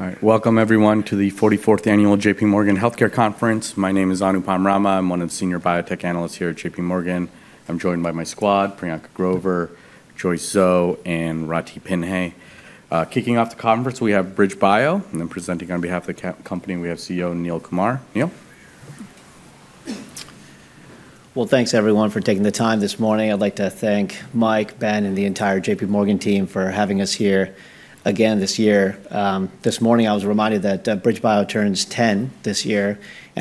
All right, welcome everyone to the 44th annual J.P. Morgan Healthcare Conference. My name is Anupam Rama. I'm one of the Senior Biotech Analysts here at JPMorgan. I'm joined by my squad, Priyanka Grover, Joyce Zhou and Rathi Pillai. Kicking off the conference we have BridgeBio. And then presenting on behalf of the company, we have CEO Neil Kumar. Neil. Well, thanks everyone for taking the time this morning. I'd like to thank Mike, Ben and the entire JPMorgan team for having us here, again this year. This morning I was reminded that BridgeBio turns 10 this year.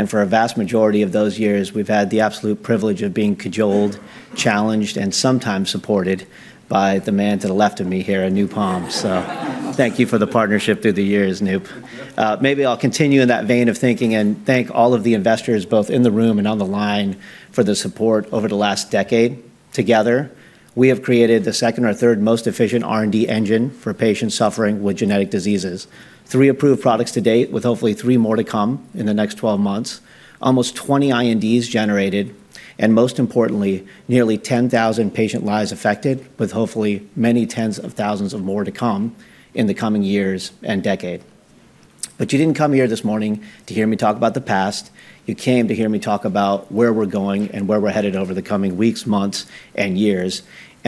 For a vast majority of those years we've had the absolute privilege of being cajoled, challenged and sometimes supported by the man to the left of me here, Anupam. So thank you for the partnership through the years Anup. Maybe I'll continue in that vein of thinking and thank all of the investors both in the room and on the line for the support over the last decade. Together we have created the second or third most efficient R&D engine for patients suffering with genetic diseases. Three approved products to date, with hopefully three more to come in the next 12 months. Almost 20 INDs generated and most importantly, nearly 10,000 patient lives affected. With hopefully many tens of thousands of more to come in the coming years and decade. But you didn't come here this morning to hear me talk about the past. You came to hear me talk about where we're going and where we're headed over the coming weeks, months and years.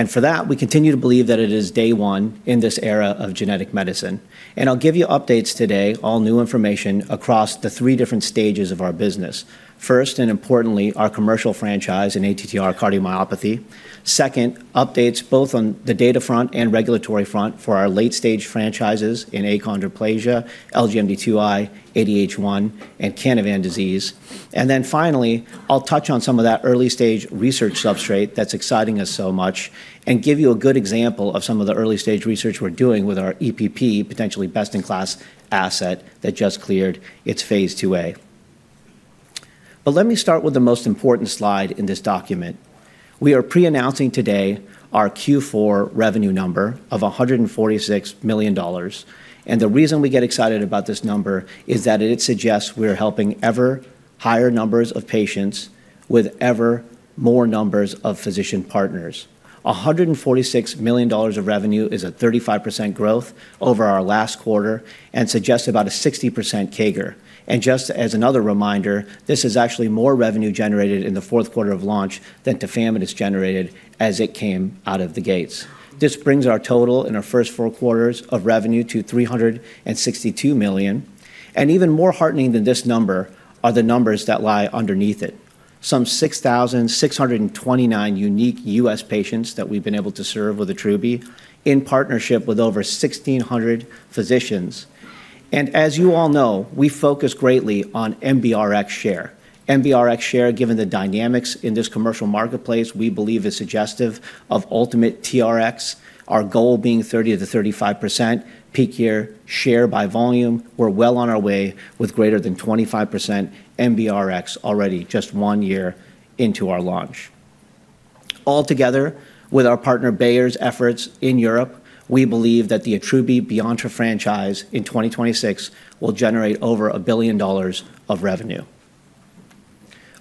For that we continue to believe that it is day one in this era of genetic medicine. I'll give you updates today, all new information across the three different stages of our business. First, and importantly, our commercial franchise in ATTR cardiomyopathy. Second, updates both on the data front and regulatory front for our late stage franchises in achondroplasia, LGMD2I, ADH1 and Canavan disease. And then finally, I'll touch on some of that early stage research substrate that's exciting us so much and give you a good example of some of the early stage research we're doing with our EPP, potentially best in class asset that just cleared its phase II-A. But let me start with the most important slide in this document. We are preannouncing today our Q4 revenue number of $146 million. And the reason we get excited about this number is that it suggests we are helping ever higher numbers of patients with ever more numbers of physician partners. $146 million of revenue is a 35% growth over our last quarter and suggests about a 60% CAGR. And just as another reminder, this is actually more revenue generated in the fourth quarter of launch than tafamidis generated as it came out of the gates. This brings our total in our first four quarters of revenue to $362 million. And even more heartening than this number are the numbers that lie underneath it. Some 6,629 unique U.S. patients that we've been able to serve with Attruby in partnership with over 1,600 physicians. And as you all know, we focus greatly on MBRX share. MBRX share, given the dynamics in this commercial marketplace we believe is suggestive of ultimate TRX. Our goal being 30%-35% peak year share by volume. We're well on our way with greater than 25% MBRX already just one year into our launch. Altogether, with our partner Bayer's efforts in Europe, we believe that the Attruby franchise in 2026 will generate over $1 billion of revenue.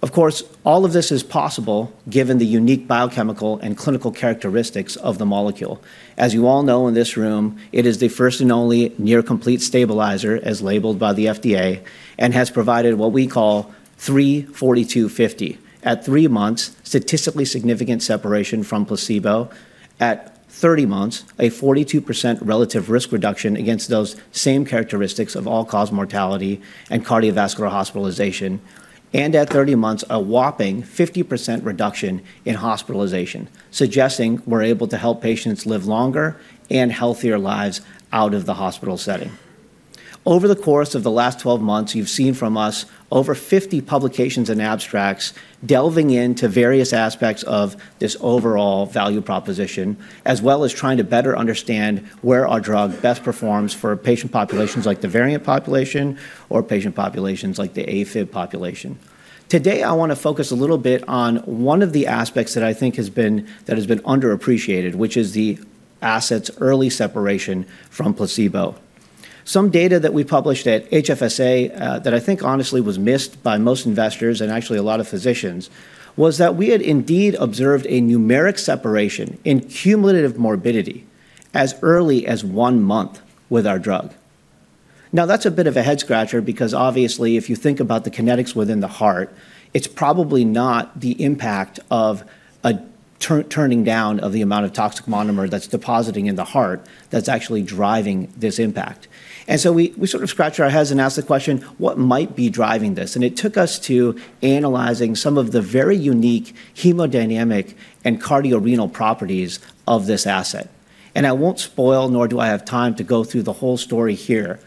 Of course, all of this is possible given the unique biochemical and clinical characteristics of the molecule. As you all know in this room, it is the first and only near complete stabilizer as labeled by the FDA and has provided what we call 3-42-50. At three months, statistically significant separation from placebo. At 30 months, a 42% relative risk reduction against those same characteristics of all-cause mortality and cardiovascular hospitalization, and at 30 months a whopping 50% reduction in hospitalization, suggesting we're able to help patients live longer and healthier lives out of the hospital setting. Over the course of the last 12 months you've seen from us over 50 publications and abstracts delving into various aspects of this overall value proposition as well as trying to better understand where our drug best performs for patient populations like the variant population or patient populations like the AFib population. Today I want to focus a little bit on one of the aspects that I think has been underappreciated, which is the assets early separation from placebo. Some data that we published at HFSA that I think honestly was missed by most investors and actually a lot of physicians was that we had indeed observed a numeric separation in cumulative morbidity as early as one month with our drug. Now that's a bit of a head scratcher because obviously if you think about the kinetics within the heart, it's probably not the impact of a turning down of the amount of toxic monomer that's depositing in the heart that's actually driving this impact. And so we sort of scratch our heads and ask the question, what might be driving this? It took us to analyzing some of the very unique hemodynamic and cardiorenal properties of this asset. I won't spoil, nor do I have time to go through the whole story here,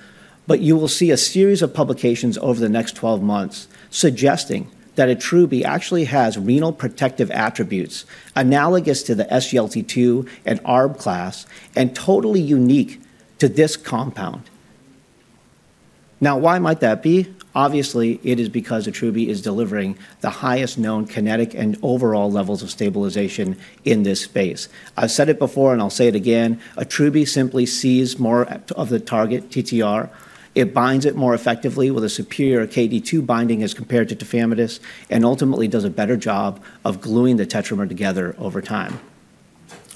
but you will see a series of publications over the next 12 months suggesting that Attruby actually has renal protective attributes analogous to the SGLT2 and ARB class and totally unique to this compound. Now, why might that be? Obviously it is because Attruby is delivering the highest known kinetic and overall levels of stabilization in this space. I've said it before and I'll say it again, an Attruby simply sees more of the target TTR, it binds it more effectively with a superior KD2 binding as compared to tafamidis, and ultimately does a better job of gluing the tetramer together over time.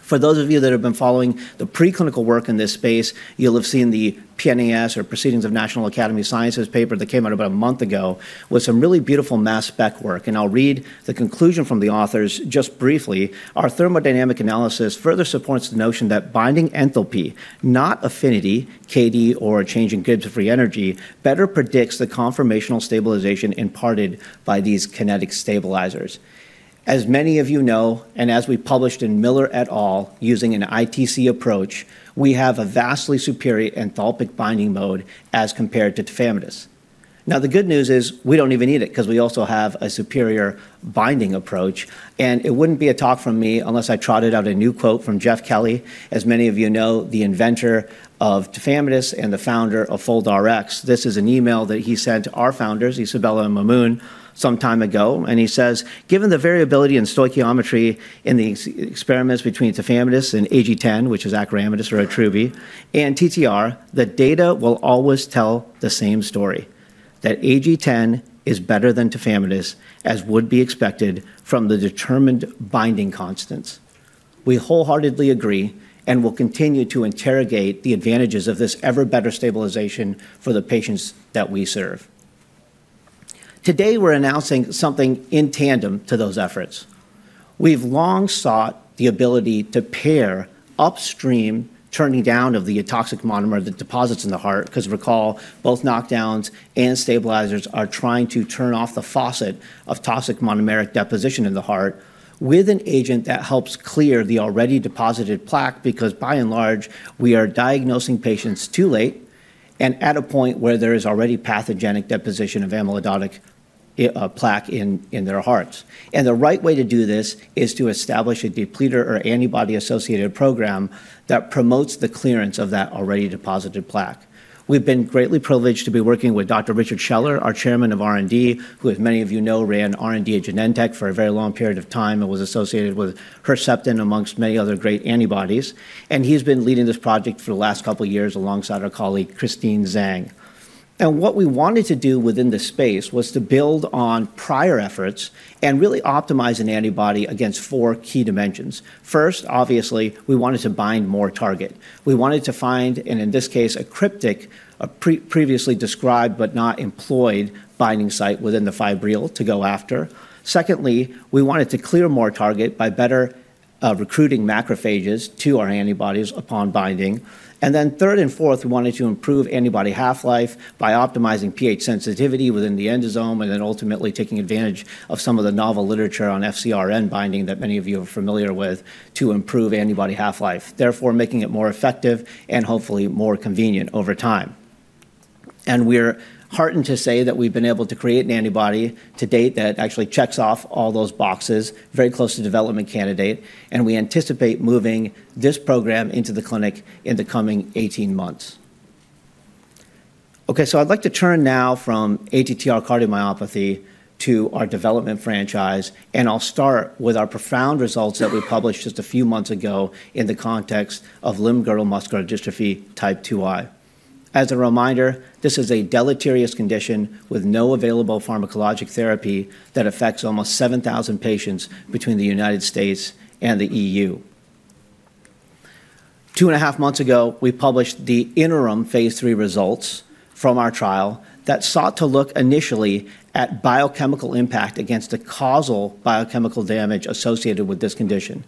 For those of you that have been following the preclinical work in this space, you'll have seen the PNAS or Proceedings of National Academy Sciences paper that came out about a month ago with some really beautiful mass spec work, and I'll read the conclusion from the authors. Just briefly, Our thermodynamic analysis further supports the notion that binding enthalpy, not affinity KD or a change in Gibbs free energy, better predicts the conformational stabilization imparted by these kinetic stabilizers. As many of you know, and as we published in Miller et al, using an ITC approach, we have a vastly superior enthalpic binding mode as compared to tafamidis. Now the good news is we don't even need it because we also have a superior binding approach, and it wouldn't be a talk from me unless I trotted out a new quote from Jeff Kelly. As many of you know, the inventor of tafamidis and the founder of FoldRx. This is an email that he sent our founders Isabella and Mamoun some time ago and he says given the variability in stoichiometry in the experiments between tafamidis and AG10, which is acoramidis or Attruby and TTR. The data will always tell the same story, that AG10 is better than tafamidis, as would be expected from the determined binding constants. We wholeheartedly agree and will continue to interrogate the advantages of this ever better stabilization for the patients that we serve. Today we're announcing something in tandem to those efforts. We've long sought the ability to pair upstream turning down of the toxic monomer that deposits in the heart because recall both knockdowns and stabilizers are trying to turn off the faucet of toxic monomeric deposition in the heart with an agent that helps clear the already deposited plaque. Because by and large we are diagnosing patients too late and at a point where there is already pathogenic deposition of amyloid plaque in their hearts. And the right way to do this is to establish a depleter or antibody-associated program that promotes the clearance of that already deposited plaque. We've been greatly privileged to be working with Dr. Richard Scheller, our Chairman of R&D, who as many of you know, ran R&D at Genentech for a very long period of time and was associated with Herceptin amongst many other great antibodies. He’s been leading this project for the last couple of years alongside our colleague Christine Zhang. What we wanted to do within this space was to build on prior efforts and really optimize an antibody against four key dimensions. First, obviously, we wanted to bind more target. We wanted to find, and in this case, a cryptic previously described but not employed binding site within the fibril to go after. Secondly, we wanted to clear more target by better recruiting macrophages to our antibodies upon binding. Then third and fourth, we wanted to improve antibody half-life by optimizing pH sensitivity within the endosome and then ultimately taking advantage of some of the novel literature on FcRn binding that many of you are familiar with to improve antibody half-life, therefore making it more effective and hopefully more convenient over time. And we're heartened to say that we've been able to create an antibody to date that actually checks off all those boxes very close to development candidate, and we anticipate moving this program into the clinic in the coming 18 months. Okay, so I'd like to turn now from ATTR cardiomyopathy to our development franchise and I'll start with our profound results that we published just a few months ago in the context of limb-girdle muscular dystrophy type 2I. As a reminder, this is a deleterious condition with no available pharmacologic therapy that affects almost 7,000 patients between the United States and the EU. Two and a half months ago, we published the interim phase III results from our trial that sought to look initially at biochemical impact against the causal biochemical damage associated with this condition.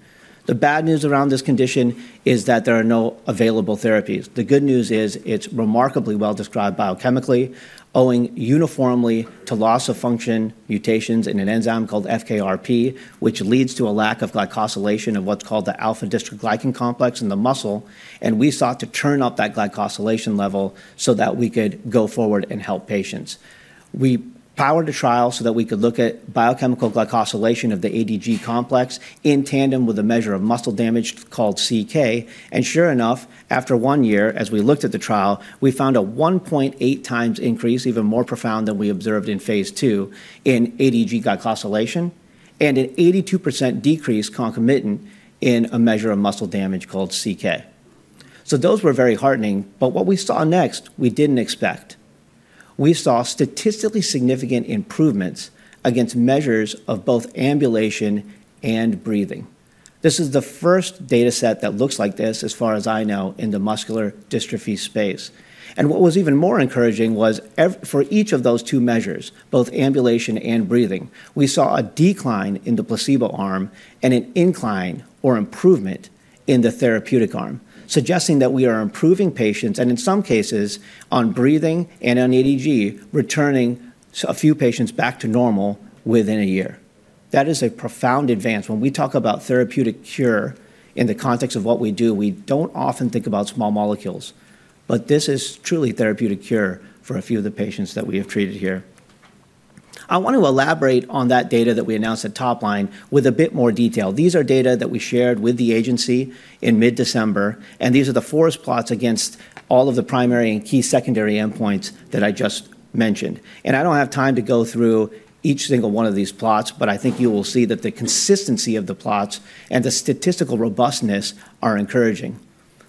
The bad news around this condition is that there are no available therapies. The good news is it's remarkably well described biochemically owing uniformly to conformational loss of function mutations in an enzyme called FKRP, which leads to a lack of glycosylation of what's called the alpha-dystroglycan complex in the muscle. And we sought to turn up that glycosylation level so that we could go forward and help patients. We powered a trial so that we could look at biochemical glycosylation of the ADG complex in tandem with a measure of muscle damage called CK. And sure enough, after one year, as we looked at the trial, we found a 1.8x increase, even more profound than we observed in phase II in ADG glycosylation and an 82% decrease concomitant in a measure of muscle damage called CK. So those were very heartening, but what we saw next we didn't expect. We saw statistically significant improvements against measures of both ambulation and breathing. This is the first data set that looks like this, as far as I know, in the muscular dystrophy space. And what was even more encouraging was for each of those two measures, both ambulation and breathing, we saw a decline in the placebo arm and an incline or improvement in the therapeutic arm, suggesting that we are improving patients, and in some cases on breathing and on EEG, returning a few patients back to normal within a year. That is a profound advance. When we talk about therapeutic cure in the context of what we do, we don't often think about small molecules, but this is truly therapeutic cure for a few of the patients that we have treated here. I want to elaborate on that data that we announced at Topline with a bit more detail. These are data that we shared with the agency in mid December, and these are the forest plots against all of the primary and key secondary endpoints that I just mentioned, and I don't have time to go through each single one of these plots, but I think you will see that the consistency of the plots and the statistical robustness are encouraging.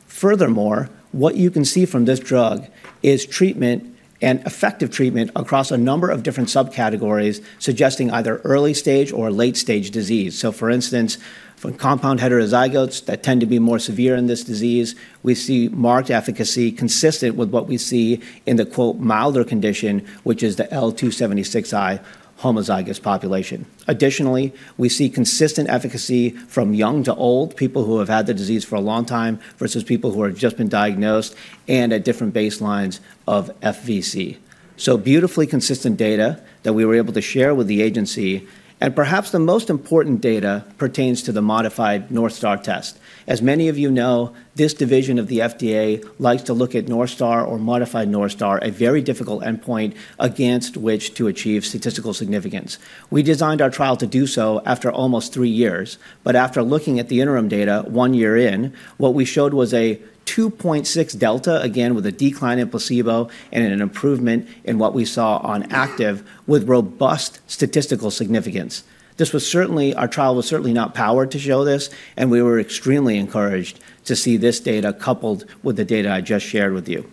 Furthermore, what you can see from this drug is treatment and effective treatment across a number of different subcategories suggesting either early stage or late stage disease, so for instance, for compound heterozygotes that tend to be more severe in this disease, we see marked efficacy consistent with what we see in the "milder" condition, which is the L276I homozygous population. Additionally, we see consistent efficacy from young to old people who have had the disease for a long time versus people who have just been diagnosed and at different baselines of FVC. So beautifully consistent data that we were able to share with the agency. Perhaps the most important data pertains to the modified North Star test. As many of you know, this division of the FDA likes to look at North Star or modified North Star, a very difficult endpoint against which to achieve statistical significance. We designed our trial to do so after almost three years. After looking at the interim data one year in, what we showed was a 2.6 delta, again with a decline in placebo and an improvement in what we saw on active with robust statistical significance. This was certainly our trial was certainly not powered to show this and we were extremely encouraged to see this data coupled with the data I just shared with you.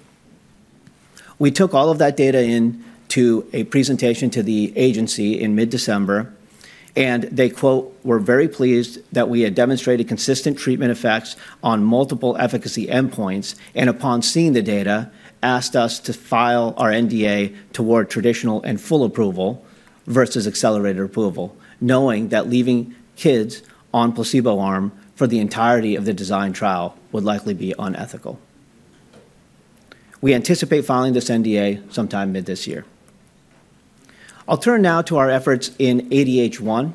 We took all of that data in to a presentation to the agency in mid December and they, quote, were very pleased that we had demonstrated consistent treatment effects on multiple efficacy endpoints and upon seeing the data asked us to file our NDA toward traditional and full approval versus accelerated approval. Knowing that leaving kids on placebo arm for the entirety of the design trial would likely be unethical. We anticipate filing this NDA sometime mid this year. I'll turn now to our efforts in ADH1.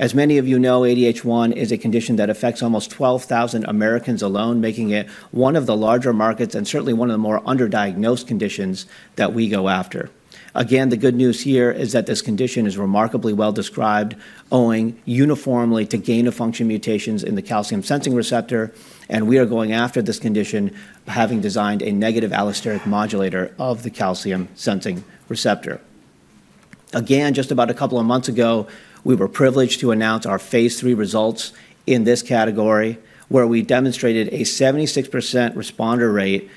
As many of you know, ADH1 is a condition that affects almost 12,000 Americans alone, making it one of the larger markets and certainly one of the more underdiagnosed conditions that we go after. Again, the good news here is that this condition is remarkably well described owing uniformly to gain of function mutations in the calcium sensing receptor, and we are going after this condition having designed a negative allosteric modulator of the calcium sensing receptor. Again, just about a couple of months ago we were privileged to announce our phase III results in this category where we demonstrated a 76% responder rate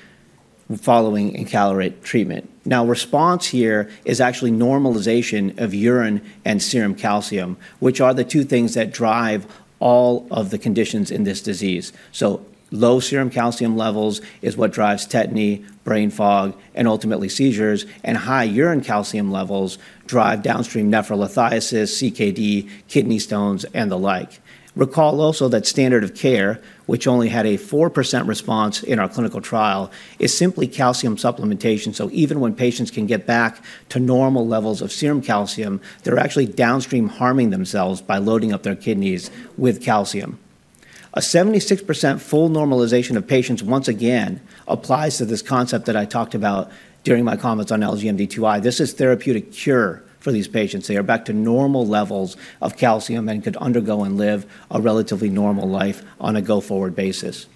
following encaleret treatment. Now, response here is actually normalization of urine and serum calcium, which are the two things that drive all of the conditions in this disease. So low serum calcium levels is what drives tetany, brain fog and ultimately seizures. And high urine calcium levels drive downstream nephrolithiasis, CKD, kidney stones and the like. Recall also that standard of care, which only had a 4% response in our clinical trial, is simply calcium supplementation. So even when patients can get back to normal levels of serum calcium, they're actually downstream harming themselves by loading up their kidneys with calcium. A 76% full normalization of patients once again applies to this concept that I talked about during my comments on LGMD2i. This is therapeutic cure for these patients. They are back to normal levels of calcium and could undergo and live a relatively normal life on a go-forward basis.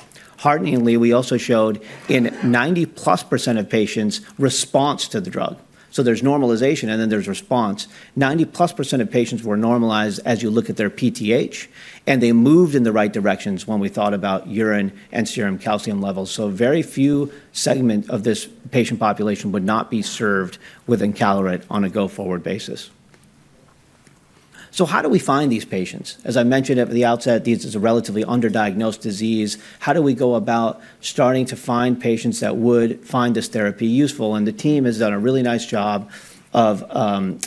Hearteningly, we also showed in 90+% of patients response to the drug. So there's normalization and then there's response. 90+% of patients were normalized as you look at their PTH and they moved in the right directions when we thought about urine and serum calcium levels. So very few segment of this patient population would not be served with encaleret on a go-forward basis. How do we find these patients? As I mentioned at the outset, this is a relatively underdiagnosed disease. How do we go about starting to find patients that would find this therapy useful? The team has done a really nice job of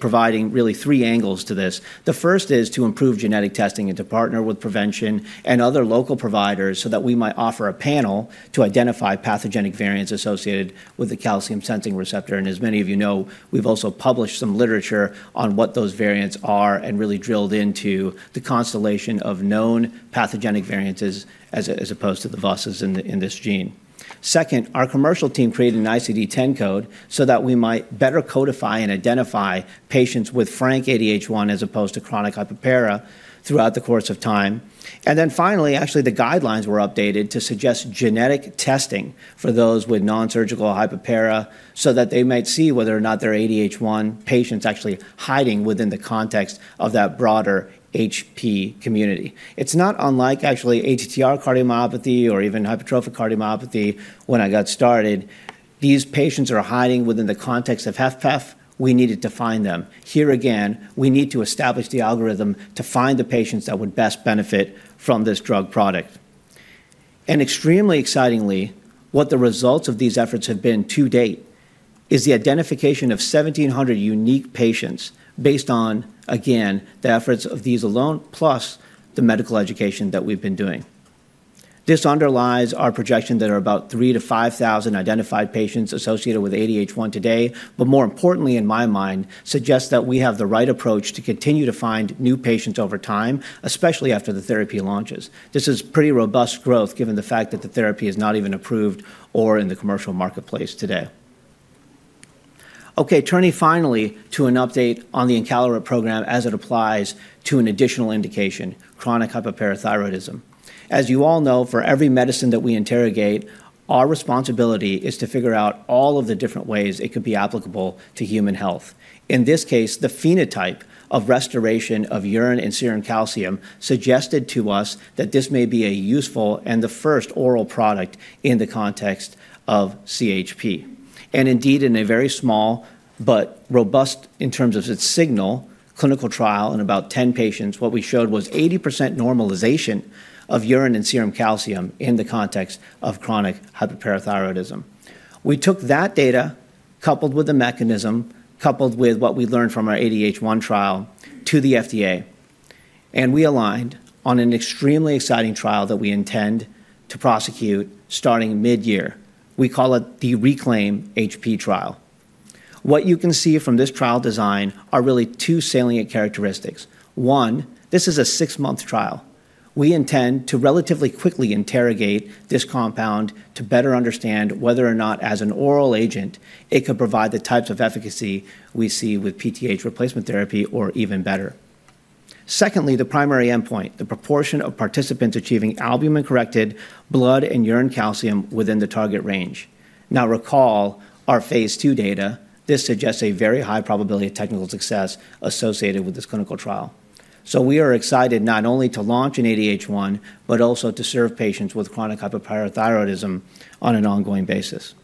providing really three angles to this. The first is to improve genetic testing and to partner with Prevention and other local providers so that we might offer a panel to identify pathogenic variants associated with the calcium-sensing receptor. As many of you know, we've also published some literature on what those variants are and really drilled into the constellation of known pathogenic variants as opposed to the VUS's in this gene. Second, our commercial team created an ICD-10 code so that we might better codify and identify patients with frank ADH1 as opposed to chronic hypopara throughout the course of time. And then finally actually the guidelines were updated to suggest genetic testing for those with nonsurgical hyperparathyroidism so that they might see whether or not they're ADH1 patients actually hiding within the context of that broader HP community. It's not unlike actually ATTR cardiomyopathy or even hypertrophic cardiomyopathy when I got started. These patients are hiding within the context of HFpEF. We needed to find them here. Again we need to establish the algorithm to find the patients that would best benefit from this drug product. And extremely excitingly, what the results of these efforts have been to date is the identification of 1,700 unique patients based on again the efforts of these alone, plus the medical education that we've been doing. This underlies our projection that are about 3,000-5,000 identified patients associated with ADH1 today. But more importantly in my mind suggests that we have the right approach to continue to find new patients over time, especially after the therapy launches. This is pretty robust growth given the fact that the therapy is not even approved or in the commercial marketplace today. Okay, turning finally to an update on the encaleret program as it applies to an additional indication, chronic hypoparathyroidism. As you all know, for every medicine that we interrogate, our responsibility is to figure out all of the different ways it could be applicable to human health. In this case, the phenotype of restoration of urine and serum calcium suggested to us that this may be a useful and the first oral product in the context of CHP and indeed in a very small but robust in terms of its signal clinical trial in about 10 patients. What we showed was 80% normalization of urine and serum calcium in the context of chronic hypoparathyroidism. We took that data coupled with the mechanism, coupled with what we learned from our ADH1 trial to the FDA and we aligned on an extremely exciting trial that we intend to prosecute starting mid-year. We call it the RECLAIM-HP trial. What you can see from this trial design are really two salient characteristics. One, this is a six-month trial. We intend to relatively quickly interrogate this compound to better understand whether or not as an oral agent it could provide the types of efficacy we see with PTH replacement therapy or even better. Secondly, the primary endpoint, the proportion of participants achieving albumin-corrected blood and urine calcium within the target range. Now recall our phase II data. This suggests a very high probability of technical success associated with this clinical trial, so we are excited not only to launch an ADH1 but also to serve patients with chronic hyperparathyroidism on an ongoing basis.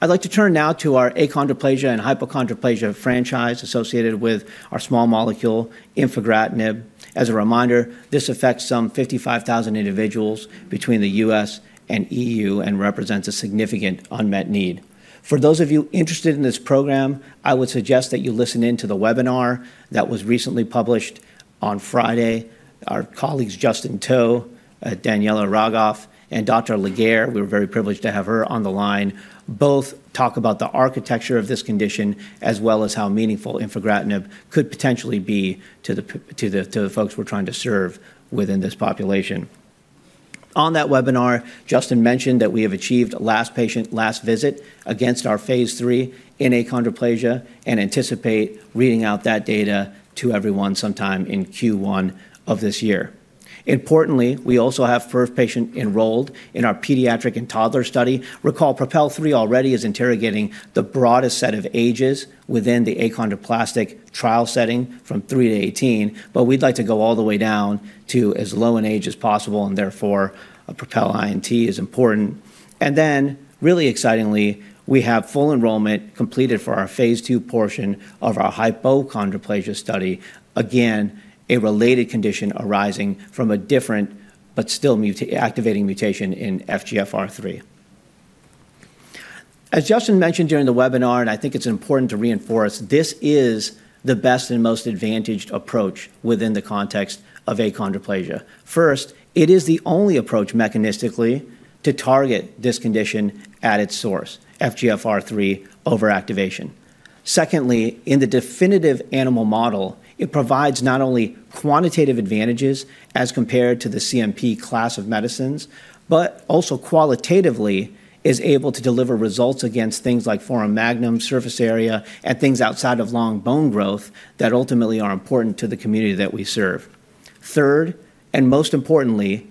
I'd like to turn now to our achondroplasia and hypochondroplasia franchise associated with our small molecule, infigratinib. As a reminder, this affects some 55,000 individuals between the U.S. and EU and represents a significant unmet need. For those of you interested in this program, I would suggest that you listen in to the webinar that was recently published on Friday. Our colleagues Justin To, Daniela Rogoff, and Dr. Legare; we're very privileged to have her on the line. Both talk about the architecture of this condition as well as how meaningful infigratinib could potentially be to the folks we're trying to serve within this population. On that webinar, Justin mentioned that we have achieved last patient, last visit against our phase III in achondroplasia and anticipate reading out that data to everyone sometime in Q1 of this year. Importantly, we also have first patient enrolled in our pediatric and toddler study. Recall, PROPEL 3 already is interrogating the broadest set of ages within the achondroplastic trial setting from three to 18, but we'd like to go all the way down to as low an age as possible, and therefore PROPEL INT is important, and then really excitingly, we have full enrollment completed for our phase II portion of our hypochondroplasia study. Again, a related condition arising from a different but still activating mutation in FGFR3. As Justin mentioned during the webinar and I think it's important to reinforce, this is the best and most advantaged approach within the context of achondroplasia. First, it is the only approach mechanistically to target this condition at its source, FGFR3 over activation. Secondly, in the definitive animal model, it provides not only quantitative advantages as compared to the CNP class of medicines, but also qualitatively is able to deliver results against things like foramen magnum surface area and things outside of long bone growth that ultimately are important to the community that we serve. Third, and most importantly,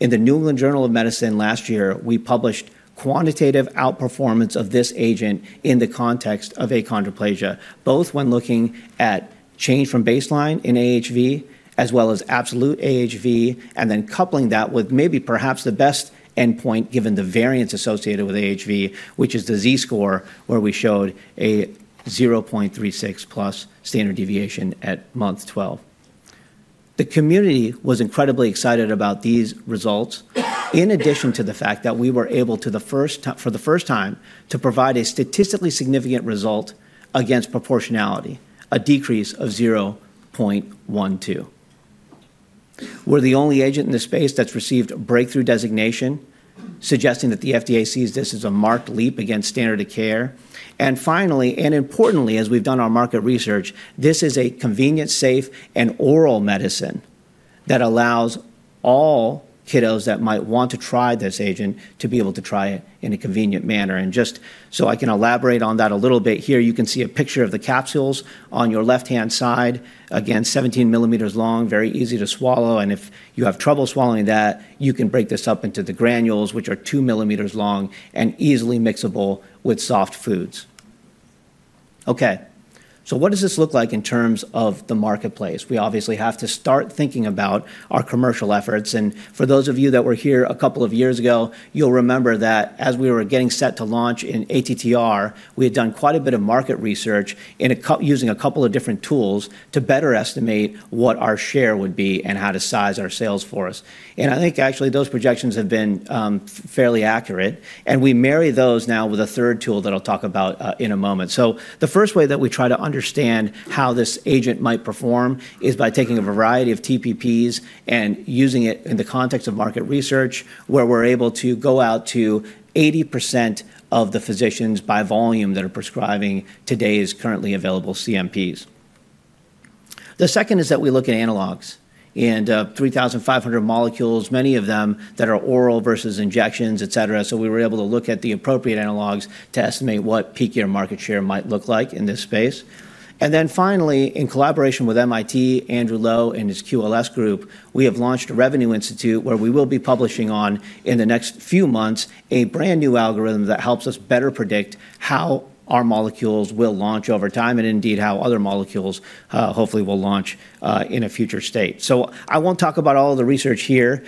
in the New England Journal of Medicine last year we published quantitative outperformance of this agent in the context of achondroplasia, both when looking at change from baseline in AHV as well as absolute AHV, and then coupling that with maybe perhaps the best endpoint given the variance associated with AHV, which is the Z score, where we showed a 0.36+ standard deviation at month 12. The community was incredibly excited about these results. In addition to the fact that we were able for the first time to provide a statistically significant result against proportionality, a decrease of 0.12, we're the only agent in this space that's received breakthrough designation suggesting that the FDA sees this as a marked leap against standard of care. And finally, and importantly, as we've done our market research, this is a convenient, safe and oral medicine that allows all kiddos that might want to try this agent to be able to try it in a convenient manner. And just so I can elaborate on that a little bit, here you can see a picture of the capsules on your left hand side. Again, 17 mm long, very easy to swallow. And if you have trouble swallowing that, you can break this up into the granules, which are 2 mm long and easily mixable with soft foods. Okay, so what does this look like in terms of the marketplace? We obviously have to start thinking about our commercial efforts. And for those of you that were here a couple of years ago, you'll remember that as we were getting set to launch in ATTR, we had done quite a bit of market research in using a couple of different tools to better estimate what our share would be and how to size our sales force. And I think actually those projections have been fairly accurate and we marry those now with a third tool that I'll talk about in a moment. So the first way that we try to understand how this agent might perform is by taking a variety of TPPs and using it in the context of market research, where we're able to go out to 80% of the physicians by volume that are prescribing today's currently available CMPs. The second is that we look at analogs and 3,500 molecules, many of them that are oral versus injections, et cetera. So we were able to look at the appropriate analogs to estimate what peak year market share might look like in this space. And then finally, in collaboration with MIT, Andrew Lo and his QLS group, we have launched a revenue institute where we will be publishing on in the next few months a brand new algorithm that helps us better predict how our molecules will launch over time and indeed how other molecules hopefully will launch in a future state. So I won't talk about all of the research here.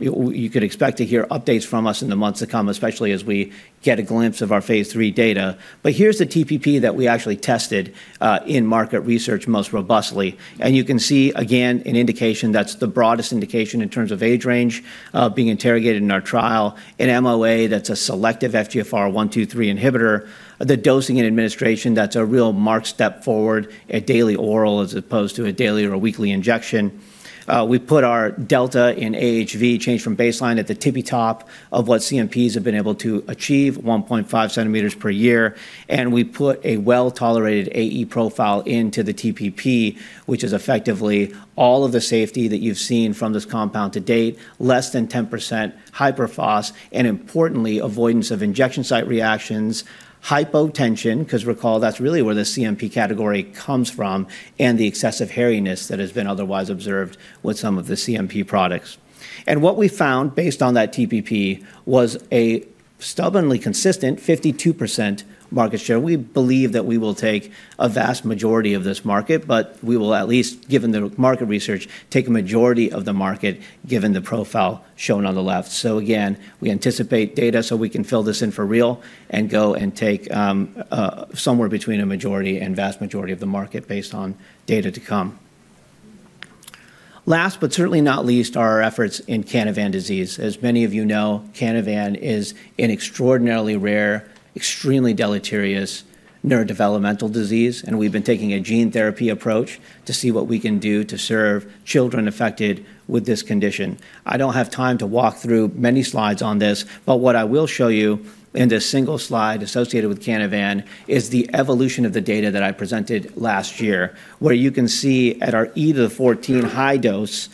You could expect to hear updates from us in the months to come, especially as we get a glimpse of our phase III data. But here's the TPP that we actually tested in market research most robustly. And you can see again an indication that's the broadest indication in terms of age range being interrogated in our trial in MOA. That's a selective FGFR 1, 2, 3 inhibitors, the dosing and administration, that's a real marked step forward. A daily oral as opposed to a daily or a weekly injection. We put our delta in HV change from baseline at the tippy top of what CMPs have been able to achieve. 1.5 cm per year. And we put a well tolerated AE profile into the TPP, which is effectively all of the safety that you've seen from this compound to date. Less than 10% hyper phos and importantly, avoidance of injection site reactions, hypotension, because recall, that's really where the CMP category comes from. And the excessive hairiness that has been otherwise observed with some of the CMP products. And what we found based on that TPP was a stubbornly consistent 52% market share. We believe that we will take a vast majority of this market, but we will, at least given the market research, take a majority of the market, given the profile shown on the left. So again, we anticipate data so we can fill this in for real and go and take somewhere between a majority and vast majority of the market based on data to come. Last, but certainly not least are our efforts in Canavan disease. As many of you know, Canavan is an extraordinarily rare, extremely deleterious neurodevelopmental disease. We've been taking a gene therapy approach to see what we can do to serve children affected with this condition. I don't have time to walk through many slides on this, but what I will show you in this single slide associated with Canavan is the evolution of the data that I presented last year where you can see at our 10 to the 14 high dose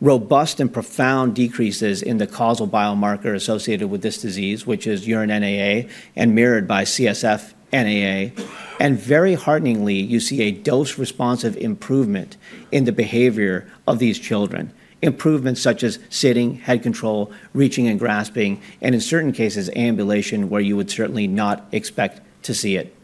robust and profound decreases in the causal biomarker associated with this disease, which is urine NAA and mirrored by CSF. Very hearteningly you see a dose responsive improvement in the behavior of these children. Improvements such as sitting, head control, reaching and grasping, and in certain cases ambulation where you would certainly not expect to see it.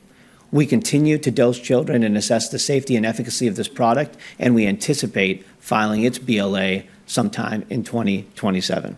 We continue to dose children and assess the safety and efficacy of this product and we anticipate filing its BLA sometime in 2027.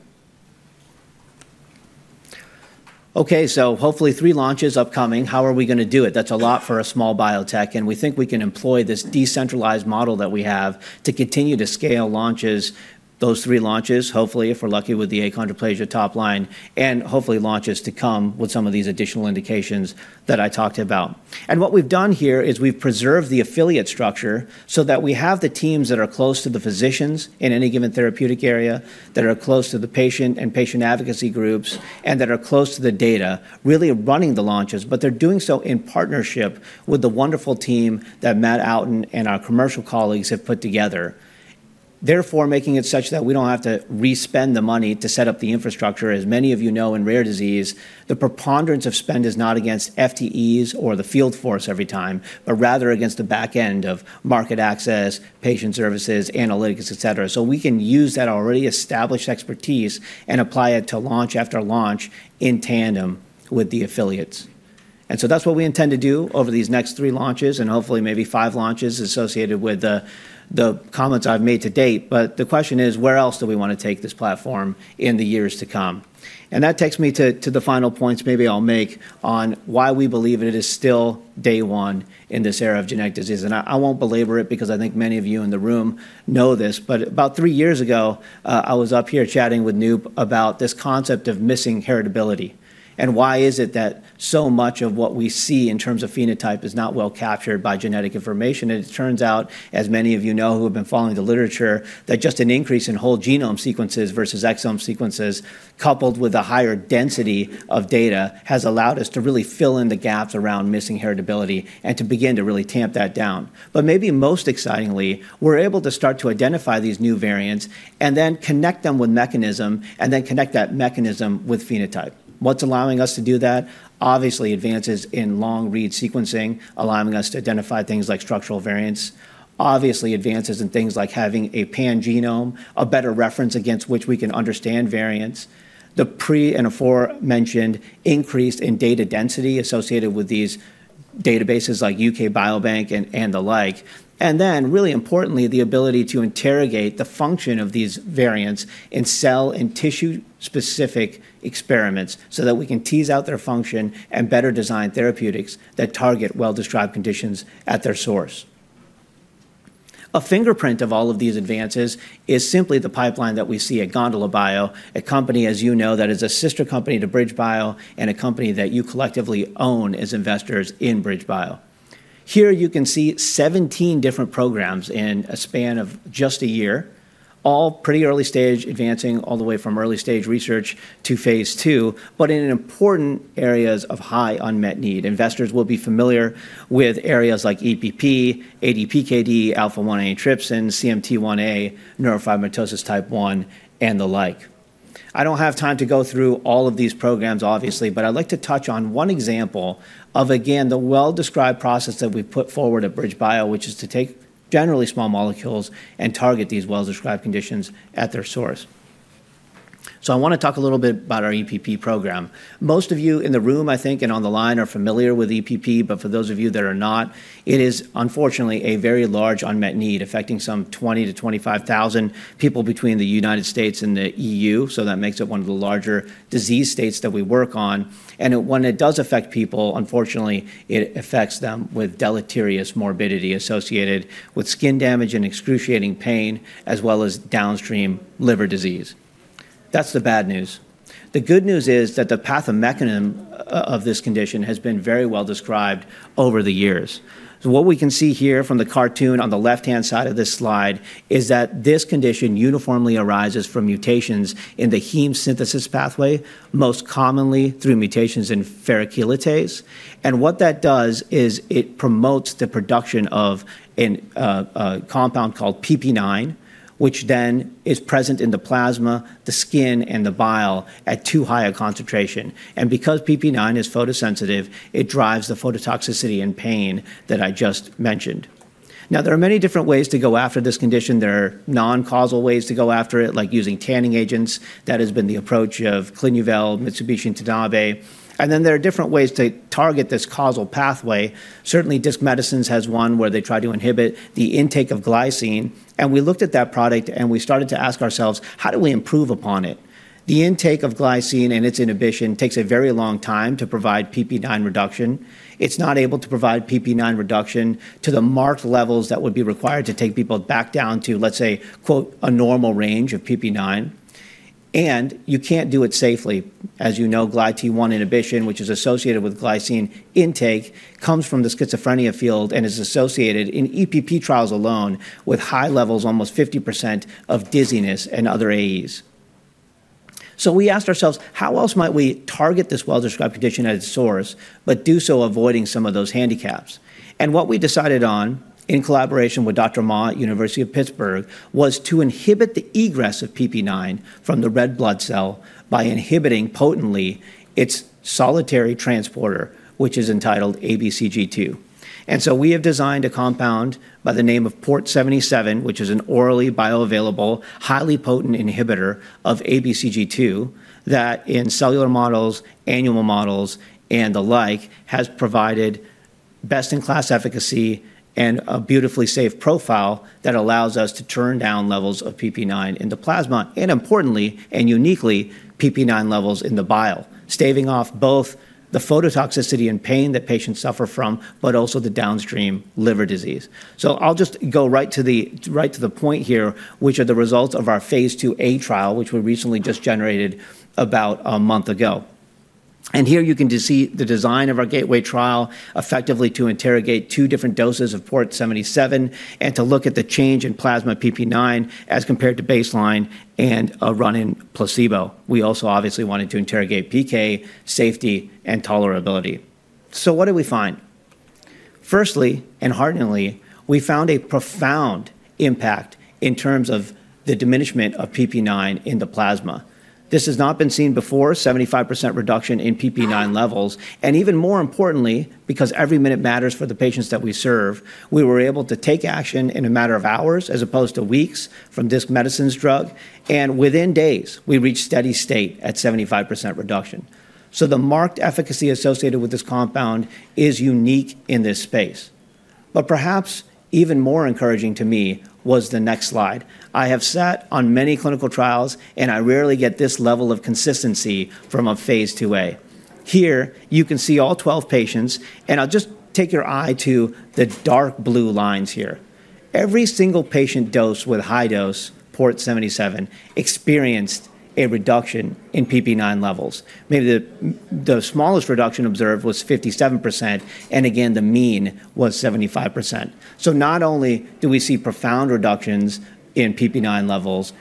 Okay, so hopefully three launches upcoming. How are we going to do it? That's a lot for a small biotech and we think we can employ this decentralized model that we have to continue to scale launches. Those three launches, hopefully if we're lucky with the achondroplasia top line and hopefully launches to come with some of these additional indications that I talked about. And what we've done here is we've preserved the affiliate structure so that we have the teams that are close to the physicians in any given therapeutic area, that are close to the patient and patient advocacy groups and that are close to the data really running the launches. But they're doing so in partnership with the wonderful team that Matt Outten and our commercial colleagues have put together, therefore making it such that we don't have to re spend the money to set up the infrastructure. As many of you know, in rare disease, the preponderance of spend is not against FTE or the field force every time, but rather against the back end of market access, patient services, analytics, etc. So we can use that already established expertise and apply it to launch after launch in tandem with the affiliates. So that's what we intend to do over these next three launches and hopefully maybe five launches associated with the comments I've made to date. But the question is where else do we want to take this platform in the years to come? That takes me to the final points maybe I'll make on why we believe it is still day one in this era of genetic disease. I won't belabor it because I think many of you in the room know this, but about three years ago I was up here chatting with Anup about this concept of missing heritability. Why is it that so much of what we see in terms of phenotype is not well captured by genetic information? And it turns out, as many of you know who have been following the literature, that just an increase in whole genome sequences versus exome sequences, coupled with a higher density of data has allowed us to really fill in the gaps around missing heritability and to begin to really tamp that down. But maybe most excitingly, we're able to start to identify these new variants and then connect them with mechanism, and then connect that mechanism with phenotype. What's allowing us to do that? Obviously advances in long read sequencing, allowing us to identify things like structural variants. Obviously advances in things like having a pan genome, a better reference against which we can understand variants, the prior and aforementioned increase in data density associated with these databases like UK Biobank and the like, and then really importantly, the ability to interrogate the function of these variants in cell and tissue specific experiments so that we can tease out their function and better design therapeutics that target well described conditions at their source. A fingerprint of all of these advances is simply the pipeline that we see at GondolaBio, a company, as you know, that is a sister company to BridgeBio and a company that you collectively own as investors in BridgeBio. Here you can see 17 different programs in a span of just a year, all pretty early stage, advancing all the way from early stage research to phase II. But in important areas of high unmet need, investors will be familiar with areas like EPP, ADPKD, Alpha-1 Antitrypsin, CMT1A, neurofibromatosis type 1 and the like. I don't have time to go through all of these programs obviously, but I'd like to touch on one example of again the well described process that we put forward at BridgeBio, which is to take generally small molecules and target these well described conditions at their source. So I want to talk a little bit about our EPP program. Most of you in the room, I think and on the line are familiar with EPP. But for those of you that are not, it is unfortunately a very large unmet need affecting some 20,000-25,000 people between the United States and the EU. So that makes it one of the larger disease states that we work on. When it does affect people, unfortunately it affects them with deleterious morbidity associated with skin damage and excruciating pain, as well as downstream liver disease. That's the bad news. The good news is that the pathomechanism of this condition has been very well described over the years. What we can see here from the cartoon on the left-hand side of this slide is that this condition uniformly arises from mutations in the heme synthesis pathway, most commonly through mutations in ferrochelatase. And what that does is it promotes the production of a compound called PP9, which then is present in the plasma, the skin and the bile at too high a concentration. And because PP9 is photosensitive, it drives the phototoxicity and pain that I just mentioned. Now there are many different ways to go after this condition. There are non causal ways to go after it, like using tanning agents. That has been the approach of Clinuvel, Mitsubishi Tanabe. And then there are different ways to target this causal pathway. Certainly Disc Medicine has one where they try to inhibit the intake of glycine. And we looked at that product and we started to ask ourselves, how do we improve upon it? The intake of glycine and its inhibition takes a very long time to provide PP9 reduction. It's not able to provide PP9 reduction to the marked levels that would be required to take people back down to, let's say, quote, a normal range of PP9. And you can't do it safely. As you know, GlyT1 inhibition, which is associated with glycine intake, comes from the schizophrenia field and is associated in EPP trials alone with high levels, almost 50% of dizziness and other AES. We asked ourselves, how else might we target this well described condition at its source, but do so avoiding some of those handicaps? What we decided on in collaboration with Dr. Ma at University of Pittsburgh was to inhibit the egress of PP9 from the red blood cell by inhibiting potently its solitary transporter, which is ABCG2. We have designed a compound by the name of Port-77, which is an orally bioavailable, highly potent inhibitor of ABCG2 that in cellular models, animal models and the like, has provided best in class efficacy and a beautifully safe profile that allows us to turn down levels of PP9 in the plasma and importantly and uniquely PP9 levels in the bile, staving off both the phototoxicity and pain that patients suffer from, but also the downstream liver disease. So I'll just go right to the point here, which are the results of our phase II-A trial which we recently just generated about a month ago. And here you can see the design of our gateway trial effectively to interrogate two different doses of Port-77 and to look at the change in plasma PP9 as compared to baseline and a run-in placebo. We also obviously wanted to interrogate PK safety and tolerability. So what did we find? Firstly and hearteningly we found a profound impact in terms of the diminishment of PP9 in the plasma. This has not been seen before. 75% reduction in PP9 levels. And even more importantly, because every minute matters for the patients that we serve, we were able to take action in a matter of hours as opposed to weeks from Disc Medicine's drug, and within days we reached steady state at 75% reduction. So the marked efficacy associated with this compound is unique in this space. But perhaps even more encouraging to me was the next slide. I have sat on many clinical trials and I rarely get this level of consistency from a phase II-A. Here you can see all 12 patients and I'll just take your eye to the dark blue lines here. Every single patient dosed with high-dose Port-77 experienced a reduction in PP9 levels. Maybe the smallest reduction observed was 57% and again the mean was 75%. So not only do we see profound reductions in PP9 levels,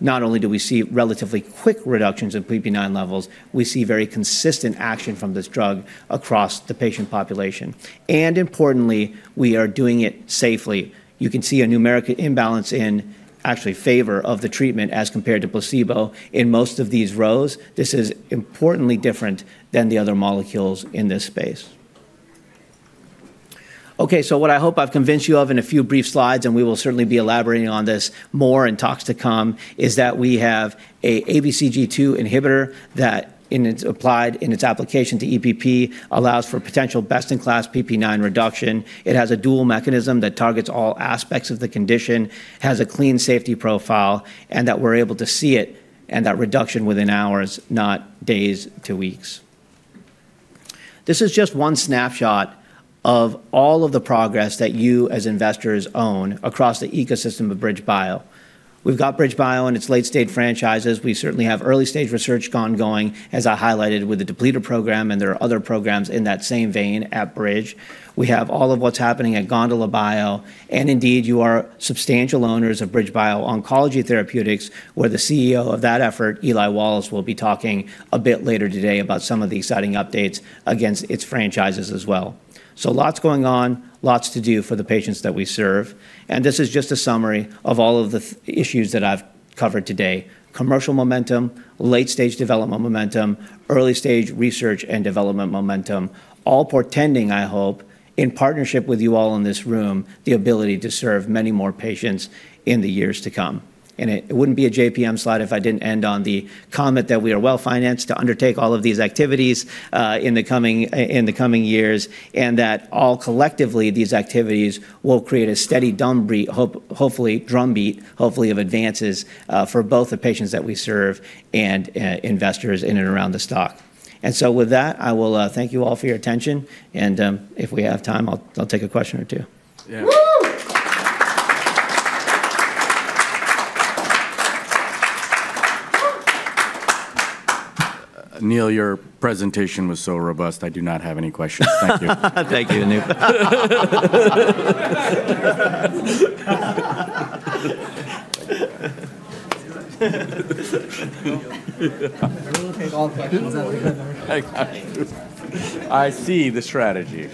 not only do we see relatively quick reductions in PP9 levels, we see very consistent action from this drug across the patient population. And importantly we are doing it safely. You can see a numeric imbalance in actually favor of the treatment as compared to placebo in most of these rows. This is importantly different than the other molecules in this space. Okay, so what I hope I've convinced you of in a few brief slides, and we will certainly be elaborating on this more in talks to come, is that we have a ABCG2 inhibitor that applied in its application to EPP, allows for potential best in class PP9 reduction. It has a dual mechanism that targets all aspects of the condition, has a clean safety profile, and that we're able to see it and that reduction within hours, not days to weeks. This is just one snapshot of all of the progress that you as investors own across the ecosystem of BridgeBio. We've got BridgeBio and its late-stage franchises. We certainly have early-stage research ongoing as I highlighted with the Depleter program. There are other programs in that same vein at BridgeBio. We have all of what's happening at GondolaBio, and indeed you are substantial owners of BridgeBio Oncology Therapeutics, where the CEO of that effort, Eli Wallace, will be talking a bit later today about some of the exciting updates against its franchises as well. So lots going on, lots to do for the patients that we serve. This is just a summary of all of the issues that I've covered today. Commercial momentum, late stage development momentum, early stage research and development momentum, all portending, I hope, in partnership with you all in this room, the ability to serve many more patients in the years to come. It wouldn't be a JPM slide if I didn't end on the comment that we are well financed to undertake all of these activities in the coming years and that all collectively these activities will create a steady drumbeat, hopefully, of advances for both the patients that we serve and investors in and around the stock. With that, I will thank you all for your attention. If we have time, I'll take a question or two. Neil, your presentation was so robust, I do not have any questions. Thank you. Thank you, Anup. I see the strategy.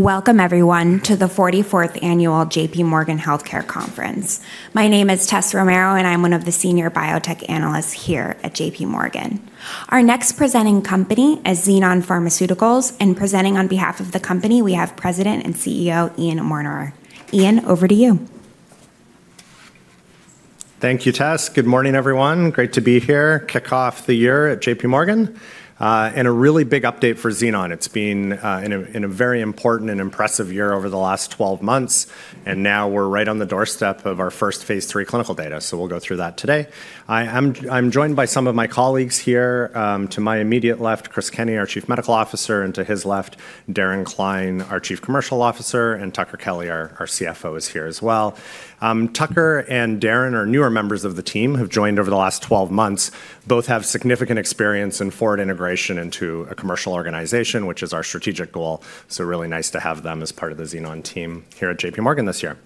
Great job. [inaudible] Welcome everyone to the 44th annual J.P. Morgan Healthcare Conference. My name is Tess Romero and I'm one of the senior biotech analysts here at J.P. Morgan. Our next presenting company is Xenon Pharmaceuticals. And presenting on behalf of the company we have President and CEO Ian Mortimer. Ian, over to you. Thank you, Tess. Good morning everyone. Great to be here. Kick off the year at JPMorgan and a really big update for Xenon. It's been a very important and impressive year over the last 12 months and now we're right on the doorstep of our first phase III clinical data, so we'll go through that today. I'm joined by some of my colleagues here. To my immediate left, Chris Kenney, our Chief Medical Officer. And to his left, Darren Cline, our Chief Commercial Officer. And Tucker Kelly, our CFO is here as well. Tucker and Darren are newer members of the team, have joined over the last 12 months. Both have significant experience in forward integration into a commercial organization, which is our strategic goal, so really nice to have them as part of the Xenon team here at JPMorgan this year.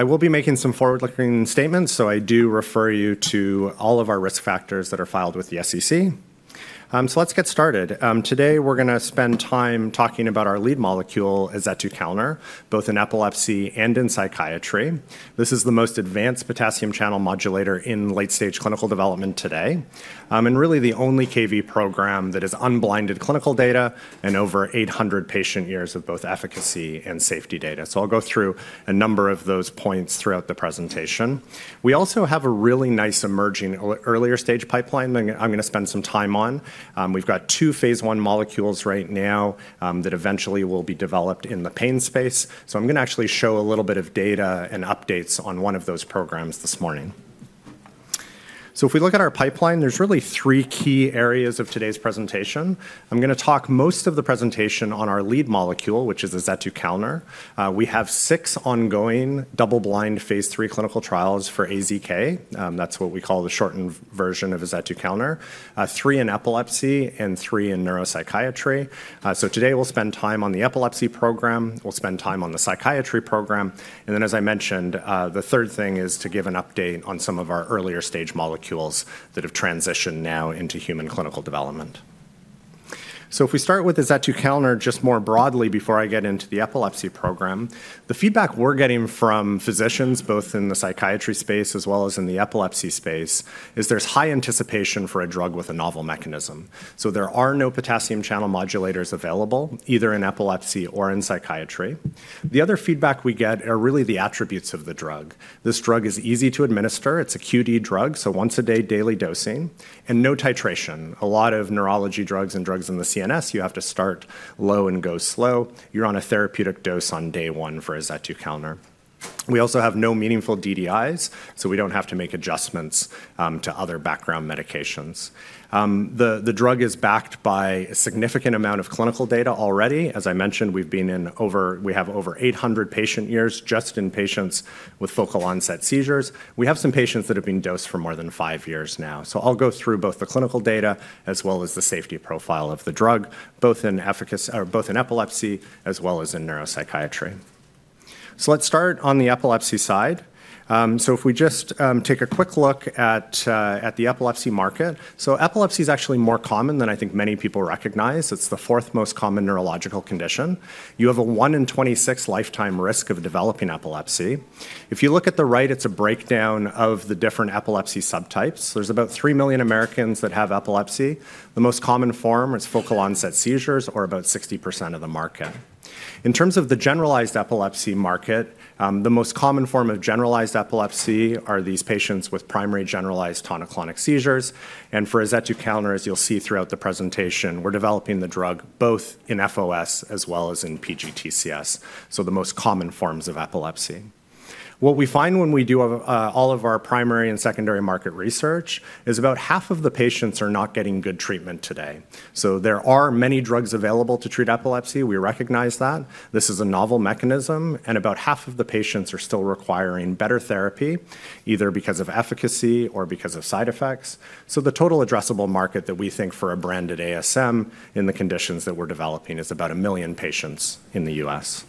I will be making some forward-looking statements. So I do refer you to all of our risk factors that are filed with the SEC. So let's get started. Today we're going to spend time talking about our lead molecule, azetukalner, both in epilepsy and in psychiatry. This is the most advanced potassium channel modulator in late-stage clinical development today. And really the only Kv program that is unblinded clinical data and over 800 patient years of both efficacy and safety data. So I'll go through a number of those points throughout the presentation. We also have a really nice emerging earlier-stage pipeline that I'm going to spend some time on. We've got two phase I molecules right now that eventually will be developed in the pain space. I'm going to actually show a little bit of data and updates on one of those programs this morning. If we look at our pipeline, there's really three key areas of today's presentation. I'm going to talk most of the presentation on our lead molecule, which is azetukalner. We have six ongoing double-blind phase III clinical trials for azk. That's what we call the shortened version of azetukalner, three in epilepsy and three in neuropsychiatry. Today we'll spend time on the epilepsy program, we'll spend time on the psychiatry program. Then as I mentioned, the third thing is to give an update on some of our earlier-stage molecules that have transitioned now into human clinical development. If we start with the azetukalner, just more broadly, before I get into the epilepsy program, the feedback we're getting from physicians, both in the psychiatry space as well as in the epilepsy space, is there's high anticipation for a drug with a novel mechanism. There are no potassium channel modulators available either in epilepsy or in psychiatry. The other feedback we get are really the attributes of the drug. This drug is easy to administer, it's a QD drug. Once a day, daily dose and no titration. A lot of neurology drugs and drugs in the CNS, you have to start low and go slow. You're on a therapeutic dose on day one for azetukalner. We also have no meaningful DDIs, so we don't have to make adjustments to other background medications. The drug is backed by a significant amount of clinical data already. As I mentioned, we have over 800 patient years just in patients with focal onset seizures. We have some patients that have been dosed for more than five years now. So I'll go through both the clinical data as well as the safety profile of the drug. Both in efficacy or both in epilepsy as well as in neuropsychiatry. So let's start on the epilepsy side. So if we just take a quick look at the epilepsy market. So epilepsy is actually more common than I think many people recognize. It's the fourth most common neurological condition. You have a one in 26 lifetime risk of developing epilepsy. Epilepsy, if you look at the right, it's a breakdown of the different epilepsy subtypes. There's about three million Americans that have epilepsy. The most common form is focal onset seizures, or about 60% of the market. In terms of the generalized epilepsy market, the most common form of generalized epilepsy are these patients with primary generalized tonic-clonic seizures. And for azetukalner, as you'll see throughout the presentation, we're developing the drug both in FOS as well as in PGTCS, so the most common forms of epilepsy. What we find when we do all of our primary and secondary market research is about half of the patients are not getting good treatment today. So there are many drugs available to treat epilepsy. We recognize that this is a novel mechanism. And about half of the patients are still requiring better therapy, either because of efficacy or because of side effects. So the total addressable market that we think for a branded ASM in the conditions that we're developing is about a million patients in the U.S.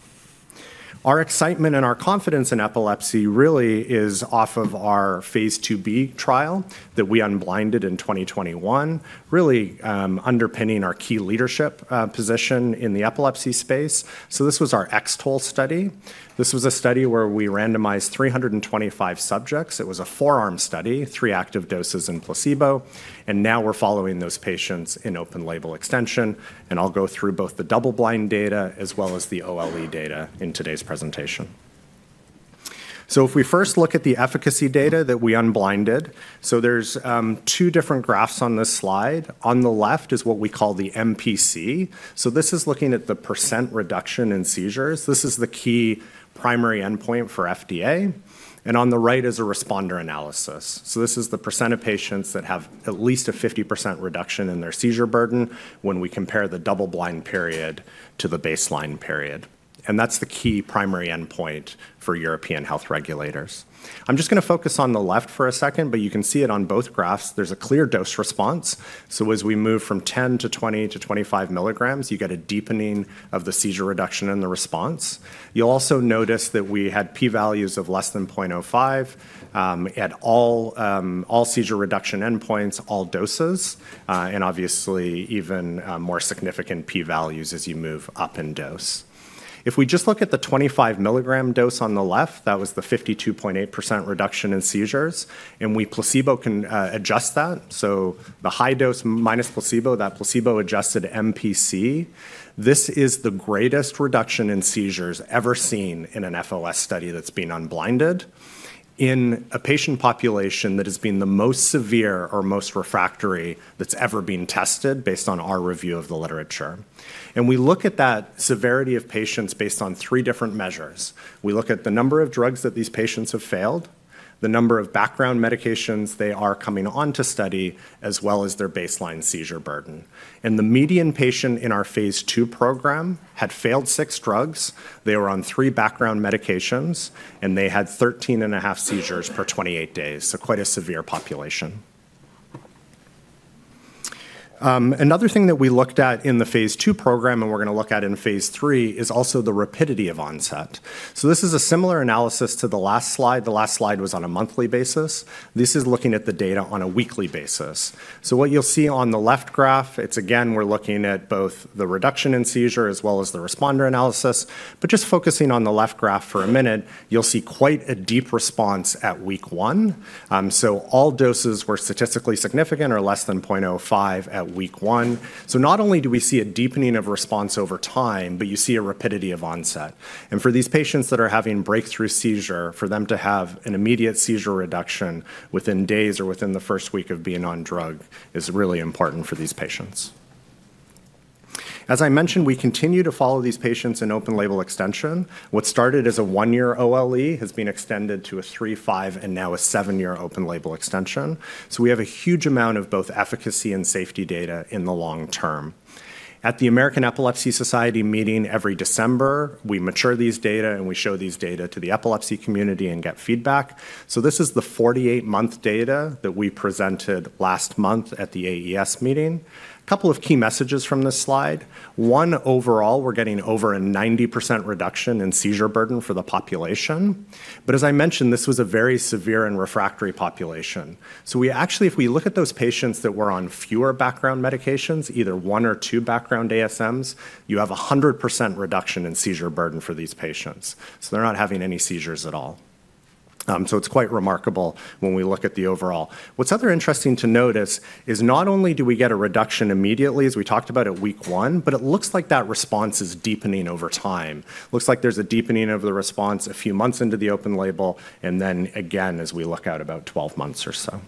Our excitement and our confidence in epilepsy really is off of our phase II-B trial that we unblinded in 2021, really underpinning our key leadership position in the epilepsy space. This was our X-TOLE study. This was a study where we randomized 325 subjects. It was a four-arm study, three active doses and placebo. Now we're following those patients in open-label extension. I'll go through both the double-blind data as well as the OLE data in today's presentation. If we first look at the efficacy data that we unblinded, there's two different graphs on this slide. On the left is what we call the MPC. This is looking at the percent reduction in seizures. This is the key primary endpoint for FDA. On the right is a responder analysis. So this is the percent of patients that have at least a 50% reduction in their seizure burden when we compare the double-blind period to the baseline period, and that's the key primary endpoint for European health regulators. I'm just going to focus on the left for a second, but you can see it on both graphs. There's a clear dose-response. So as we move from 10 mg to 20 mg to 25 mg, you get a deepening of the seizure reduction and the response. You'll also notice that we had p-values of less than 0.05 at all seizure reduction endpoints all doses and obviously even more significant p-values as you move up in dose. If we just look at the 25 mg dose on the left, that was the 52.8% reduction in seizures. And we placebo can adjust that. The high dose minus placebo, that placebo-adjusted MPC. This is the greatest reduction in seizures ever seen in an FOS study that's been unblinded. In a patient population that has been the most severe or most refractory that's ever been tested based on our review of the literature. We look at that severity of patients based on three different measures. We look at the number of drugs that these patients have failed, the number of background medications they are coming on to study, as well as their baseline seizure burden. The median patient in our phase II program had failed six drugs. They were on three background medications and they had 13 and a half seizures per 28 days. Quite a severe population. Another thing that we looked at in the phase II program and we're going to look at in phase III is also the rapidity of onset, so this is a similar analysis to the last slide. The last slide was on a monthly basis. This is looking at the data on a weekly basis, so what you'll see on the left graph, it's again, we're looking at both the reduction in seizures as well as the responder analysis, but just focusing on the left graph for a minute, you'll see quite a deep response at week one, so all doses were statistically significant or less than 0.05 at week one, so not only do we see a deepening of response over time, but you see a rapidity of onset. For these patients that are having breakthrough seizure, for them to have an immediate seizure reduction within days or within the first week of being on drug is really important for these patients. As I mentioned, we continue to follow these patients in open label extension. What started as a one-year OLE has been extended to a three-, five-, and now a seven-year open-label extension. We have a huge amount of both efficacy and safety data in the long term. At the American Epilepsy Society meeting every December, we mature these data and we show these data to the epilepsy community and get feedback. This is the 48-month data that we presented last month at the AES meeting. A couple of key messages from this slide. One, overall, we're getting over a 90% reduction in seizure burden for the population. As I mentioned, this was a very severe and refractory population. We actually, if we look at those patients that were on fewer background medications, either one or two background ASMs, you have 100% reduction in seizure burden for these patients. They're not having any seizures at all. It's quite remarkable when we look at the overall. What's otherwise interesting to notice is not only do we get a reduction immediately, as we talked about at week one, but it looks like that response is deepening over time. Looks like there's a deepening of the response a few months into the open label, and then again as we look out about 12 months or so.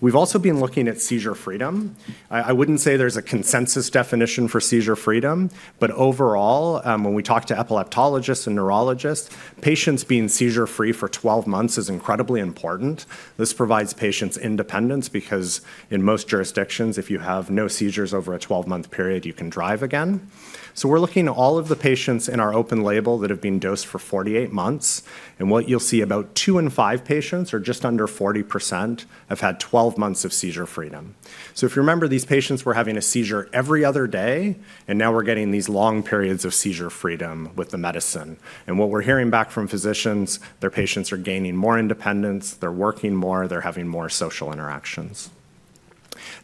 We've also been looking at seizure freedom. I wouldn't say there's a consensus definition for seizure freedom, but overall, when we talk to epileptologists and neurologists, patients being seizure free for 12 months is incredibly important. This provides patients independence because in most jurisdictions, if you have no seizures over a 12-month period, you can drive again. We're looking at all of the patients in our open label that have been dosed for 48 months and what you'll see, about two in five patients, or just under 40% have had 12 months of seizure freedom. So if you remember, these patients were having a seizure every other day. And now we're getting these long periods of seizure freedom with the medicine. And what we're hearing back from physicians, their patients are gaining more independence, they're working more, they're having more social interactions.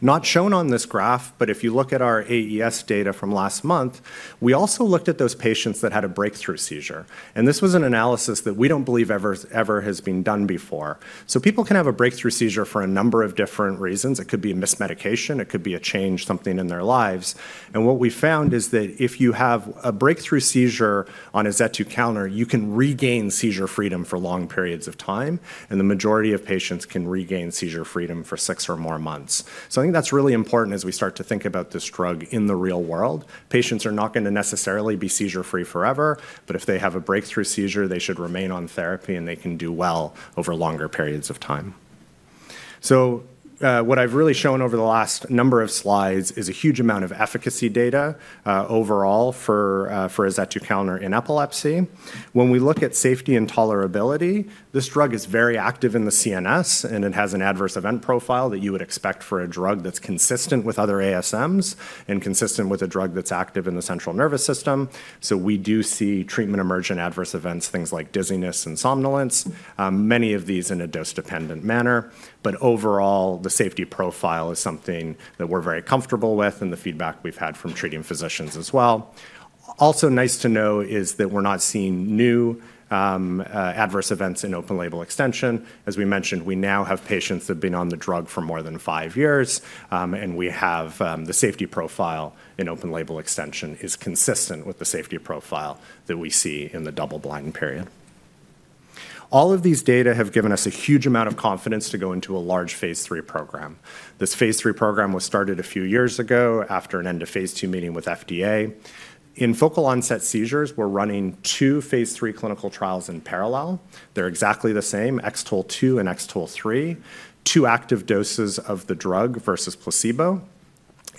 Not shown on this graph, but if you look at our AES data from last month, we also looked at those patients that had a breakthrough seizure. And this was an analysis that we don't believe ever has been done before. So people can have a breakthrough seizure for a number of different reasons. It could be a missed medication, it could be a change, something in their lives. And what we found is that if you have a breakthrough seizure on azetukalner, you can regain seizure freedom for long periods of time and the majority of patients can regain seizure freedom for six or more months. So I think that's really important as we start to think about this drug in the real world. Patients are not going to necessarily be seizure free forever, but if they have a breakthrough seizure they should remain on therapy and they can do well over longer periods of time. So what I've really shown over the last number of slides is a huge amount of efficacy data overall for azetukalner in epilepsy. When we look at safety and tolerability, this drug is very active in the CNS and it has an adverse event profile that you would expect for a drug that's consistent with other ASMs and consistent with a drug that's active in the central nervous system. So we do see treatment-emergent adverse events, things like dizziness and somnolence, many of these in a dose-dependent manner. But overall the safety profile is something that we're very comfortable with and the feedback we've had from treating physicians as well. Also nice to know is that we're not seeing new adverse events in open label extension. As we mentioned, we now have patients that have been on the drug for more than five years and we have the safety profile in open label extension is consistent with the safety profile that we see in the double blind period. All of these data have given us a huge amount of confidence to go into a large phase III program. This phase III program was started a few years ago after an end of phase II meeting with FDA in focal onset seizures. We're running two phase III clinical trials in parallel. They're exactly the same. X-TOLE2 and X-TOLE3, two active doses of the drug versus placebo.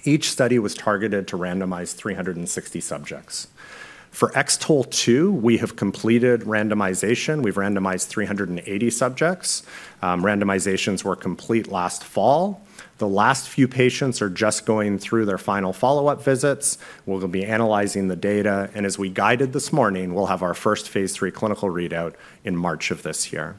Each study was targeted to randomize 360 subjects. For X-TOLE2 we have completed randomization. We've randomized 380 subjects. Randomizations were complete last fall. The last few patients are just going through their final follow-up visits. We'll be analyzing the data and as we guided this morning we'll have our first phase III clinical readout in March of this year.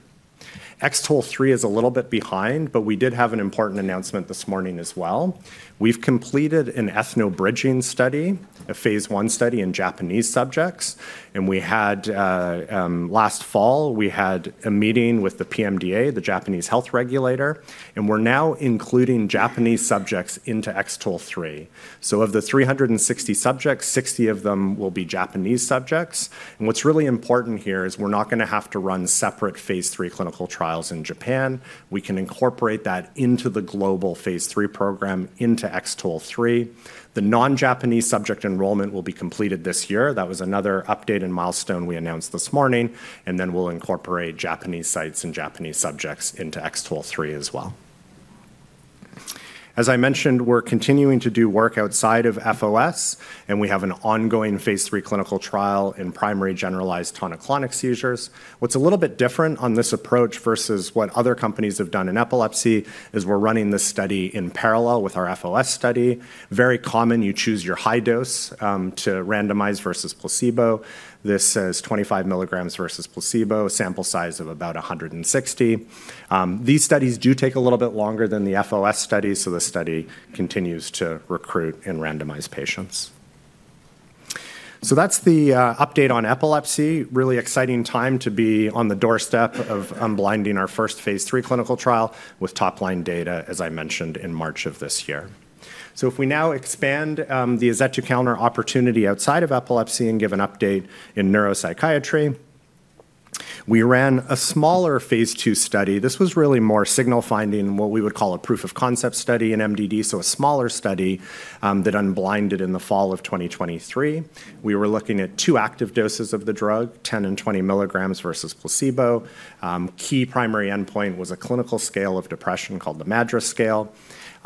X-TOLE3 is a little bit behind but we did have an important announcement this morning as well. We've completed an ethnobridging study, a phase I study in Japanese subjects, and we had last fall a meeting with the PMDA, the Japanese health regulator, and we're now including Japanese subjects into X-TOLE3, so of the 360 subjects, 60 of them will be Japanese subjects, and what's really important here is we're not going to have to run separate phase III clinical trials in Japan. We can incorporate that into the global phase III program into X-TOLE3. The non-Japanese subject enrollment will be completed this year. That was another update and milestone we announced this morning. And then we'll incorporate Japanese sites and Japanese subjects into X-TOLE3 as well. As I mentioned, we're continuing to do work outside of FOS and we have an ongoing phase III clinical trial in primary generalized tonic-clonic seizures. What's a little bit different on this approach versus what other companies have done in epilepsy is we're running this study in parallel with our FOS study. Very common. You choose your high dose to randomize versus placebo. This says 25 mg versus placebo. Sample size of about 160. These studies do take a little bit longer than the FOS study. So the study continues to recruit and randomize patients. So that's the update on epilepsy. Really exciting, exciting time to be on the doorstep of unblinding our first phase III clinical trial with top line data as I mentioned in March of this year. So if we now expand the azetukalner opportunity outside of epilepsy and give an update in neuropsychiatry, we ran a smaller phase II study. This was really more signal finding, what we would call a proof of concept study in MDD. So a smaller study that unblinded in the fall of 2023, we were looking at two active doses of the drug, 10 mg and 20 mg versus placebo. Key primary endpoint was a clinical scale of depression called the MADRS scale.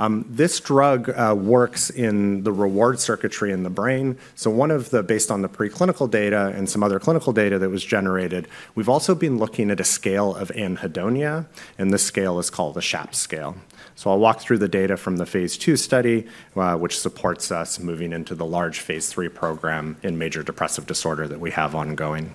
This drug works in the reward circuitry in the brain. One of the, based on the preclinical data and some other clinical data that was generated, we've also been looking at a scale of anhedonia and this scale is called the SHAPS scale. I'll walk through the data from the phase II study, which supports us moving into the large phase III program in major depressive disorder that we have ongoing.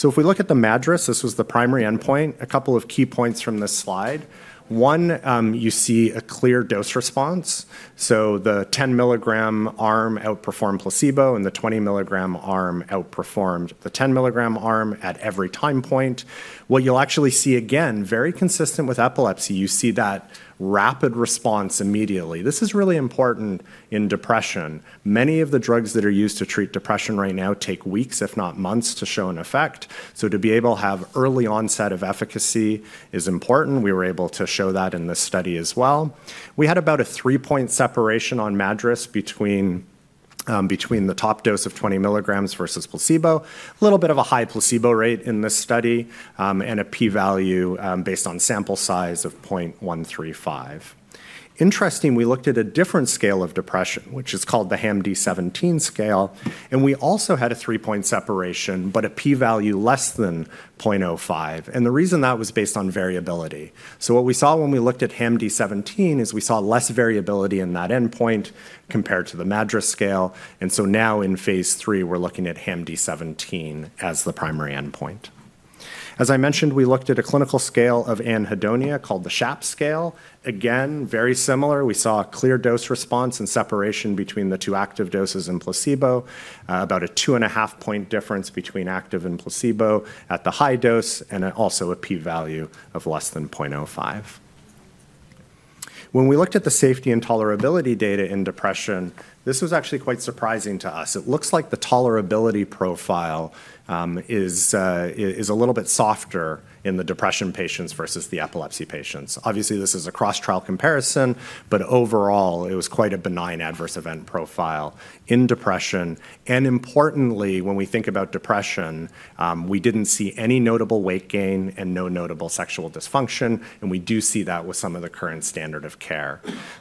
If we look at the MADRS, this was the primary endpoint. A couple of key points from this slide, one, you see a clear dose response. The 10 mg arm outperformed placebo and the 20 mg arm outperformed the 10 mg arm at every time point. What you'll actually see, again, very consistent with epilepsy, you see that rapid response immediately. This is really important in depression. Many of the drugs that are used to treat depression right now take weeks if not months to show an effect. So to be able to have early onset of efficacy is important. We were able to show that in this study as well. We had about a three-point separation on MADRS between the top dose of 20 mg versus placebo. So a little bit of a high placebo rate in this study and a p-value based on sample size of 0.135. Interesting. We looked at a different scale of depression, which is called the HAMD-17 scale. And we also had a three-point separation, but a p-value less than 0.05. And the reason that was based on variability. So what we saw when we looked at HAMD-17 is we saw less variability in that endpoint compared to the MADRS scale. And so now in phase III, we're looking at HAMD-17 as the primary endpoint. As I mentioned, we looked at a clinical scale of anhedonia called the SHAPS scale, again very similar. We saw a clear dose response and separation between the two active doses in placebo. About a 2.5 point difference between active and placebo at the high dose and also a p-value of less than 0.05. When we looked at the safety and tolerability data in depression, this was actually quite surprising to us. It looks like the tolerability profile is a little bit softer in the depression patients versus the epilepsy patients. Obviously this is a cross trial comparison, but overall it was quite a benign adverse event profile in depression. And importantly, when we think about depression, we didn't see any notable weight gain and no notable sexual dysfunction and we do see that with some of the current standard of care.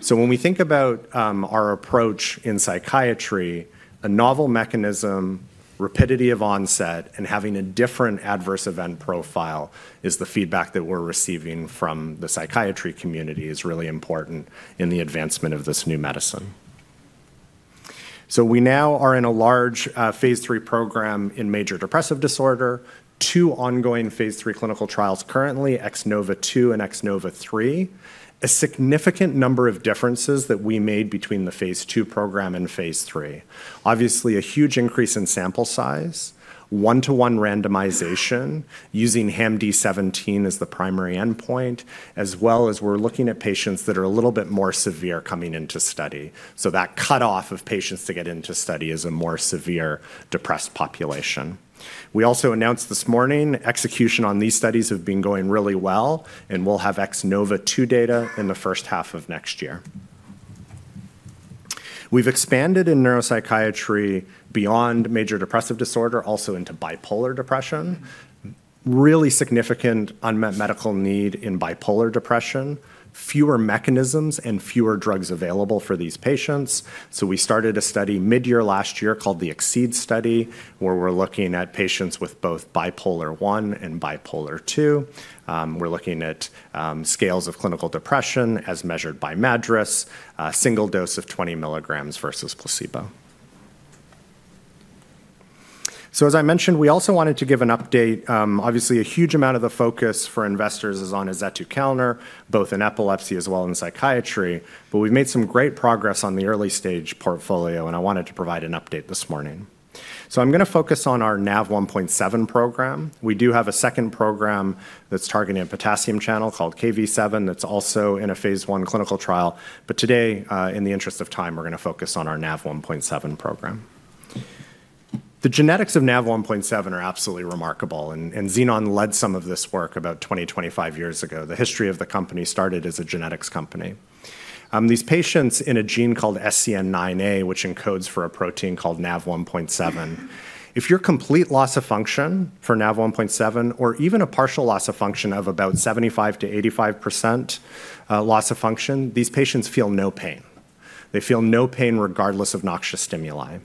When we think about our approach in psychiatry, a novel mechanism, rapidity of onset and having a different adverse event profile is the feedback that we're receiving from the psychiatry community is really important in the advancement of this new medicine. We now are in a large phase III program in major depressive disorder. Two ongoing phase III clinical trials, currently X-NOVA 2 and X-NOVA 3. A significant number of differences that we made between the phase II program and phase III, obviously a huge increase in sample size, one to one randomization using HAMD-17 as the primary endpoint, as well as we're looking at patients that are a little bit more severe coming into study. That cutoff of patients to get into study as a more severe depressed population. We also announced this morning, execution on these studies have been going really well and we'll have X-NOVA 2 data in the first half of next year. We've expanded in neuropsychiatry beyond major depressive disorder, also into bipolar depression. Really significant unmet medical need in bipolar depression. Fewer mechanisms and fewer drugs available for these patients. So we started a study mid year last year called the X-CEED study where we're looking at patients with both bipolar I and bipolar II. We're looking at scales of clinical depression as measured by MADRS single dose of 20 milligrams versus placebo. So as I mentioned, we also wanted to give an update. Obviously a huge amount of the focus for investors is on azetukalner, both in epilepsy as well in psychiatry. But we've made some great progress on the early stage portfolio and I wanted to provide an update this morning. I'm going to focus on our Nav1.7 program. We do have a second program that's targeting a potassium channel called Kv7 that's also in a phase I clinical trial. Today, in the interest of time, we're going to focus on our Nav1.7 program. The genetics of Nav1.7 are absolutely remarkable. Xenon led some of this work. About 20, 25 years ago, the history of the company started as a genetics company. These patients in a gene called SCN9A which encodes for a protein called Nav1.7. If you're complete loss of function for Nav1.7 or even a partial loss of function of about 75%-85% loss of function, these patients feel no pain. They feel no pain regardless of noxious stimuli.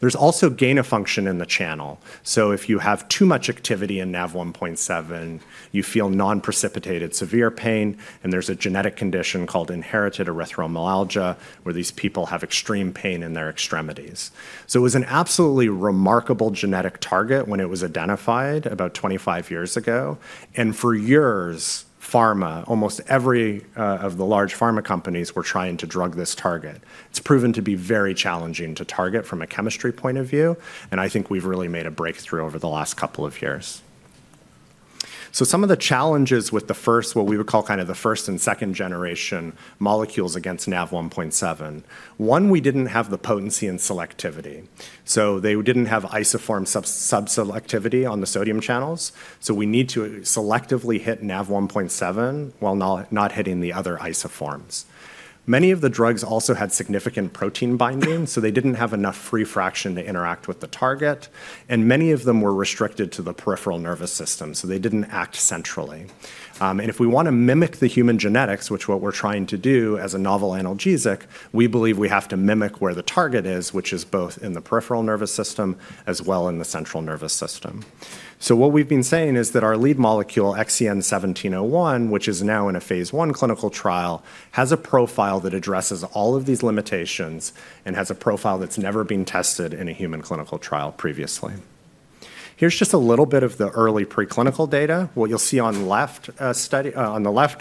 There's also gain of function in the channel. If you have too much activity in Nav1.7 you feel non precipitated severe pain. There's a genetic condition called inherited erythromelalgia where these people have extreme pain in their extremities. It was an absolutely remarkable genetic target when it was identified about 25 years ago. For years pharma, almost every of the large pharma companies were trying to drug this target. It's proven to be very challenging to target from a chemistry point of view. I think we've really made a breakthrough over the last couple of years. Some of the challenges with the first, what we would call kind of the first and second generation molecules against Nav1.7, we didn't have the potency and selectivity, so they didn't have isoform subselectivity on the sodium channels. We need to selectively hit Nav1.7 while not hitting the other isoforms. Many of the drugs also had significant protein binding, so they didn't have enough free fraction to interact with the target. And many of them were restricted to the peripheral nervous system, so they didn't act centrally. And if we want to mimic the human genetics, which is what we're trying to do as a novel analgesic, we believe we have to mimic where the target is, which is both in the peripheral nervous system as well in the central nervous system. So what we've been saying is that our lead molecule, XEN1701, which is now in a phase I clinical trial, has a profile that addresses all of these limitations and has a profile that's never been tested in a human clinical trial previously. Here's just a little bit of the early preclinical data. What you'll see on the left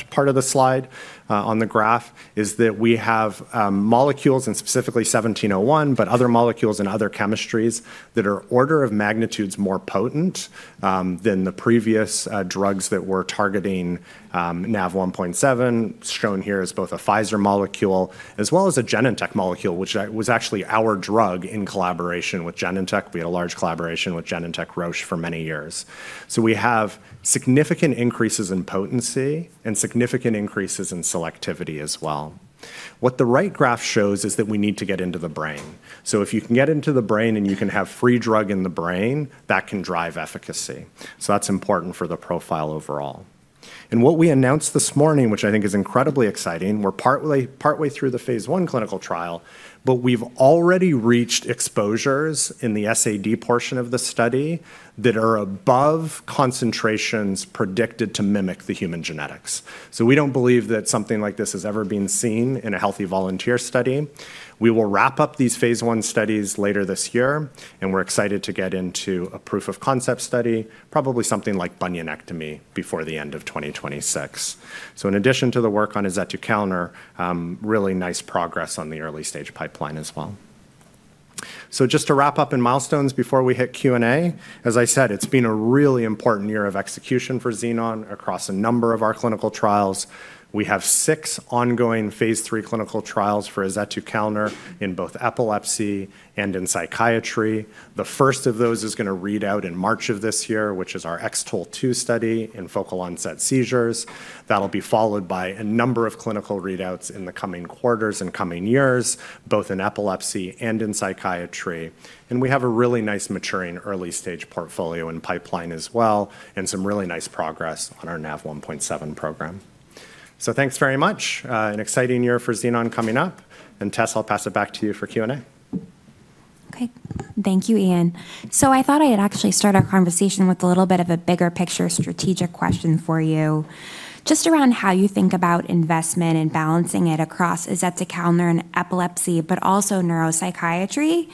part of the slide on the graph is that we have molecules, and specifically 1701, but other molecules in other chemistries that are order of magnitude is more potent than the previous drugs that were targeting Nav1.7, shown here as both a Pfizer molecule as well as a Genentech molecule, which was actually our drug in collaboration with Genentech. We had a large collaboration with Genentech, Roche for many years. So we have significant increases in potency and significant increases in selectivity as well. What the right graph shows is that we need to get into the brain. So if you can get into the brain and you can have free drug in the brain, that can drive efficacy. So that's important for the profile overall. What we announced this morning, which I think is incredibly exciting, we're partway through the phase I clinical trial, but we've already reached exposures in the SAD portion of the study that are above concentrations predicted to mimic the human genetics. We don't believe that something like this has ever been seen in a healthy volunteer study. We will wrap up these phase I studies later this year and we're excited to get into a proof of concept study, probably something like bunionectomy before the end of 2026. In addition to the work on azetukalner, really nice progress on the early stage pipeline as well. Just to wrap up in milestones before we hit Q&A, as I said, it's been a really important year of execution for Xenon across a number of our clinical trials. We have six ongoing phase III clinical trials for azetukalner in both epilepsy and in psychiatry. The first of those is going to read out in March of this year, which is our X-TOLE2 study in focal onset seizures. That'll be followed by a number of clinical readouts in the coming quarters and coming years, both in epilepsy and in psychiatry. And we have a really nice maturing early stage portfolio and pipeline as well and some really nice progress on our Nav1.7 program. So thanks very much. An exciting year for Xenon coming up. And Tess, I'll pass it back to you for Q&A. Okay, thank you, Ian. So I thought I'd actually start our conversation with a little bit of a bigger picture strategic question for you. Just around how you think about investment and balancing it across azetukalner and epilepsy, but also neuropsychiatry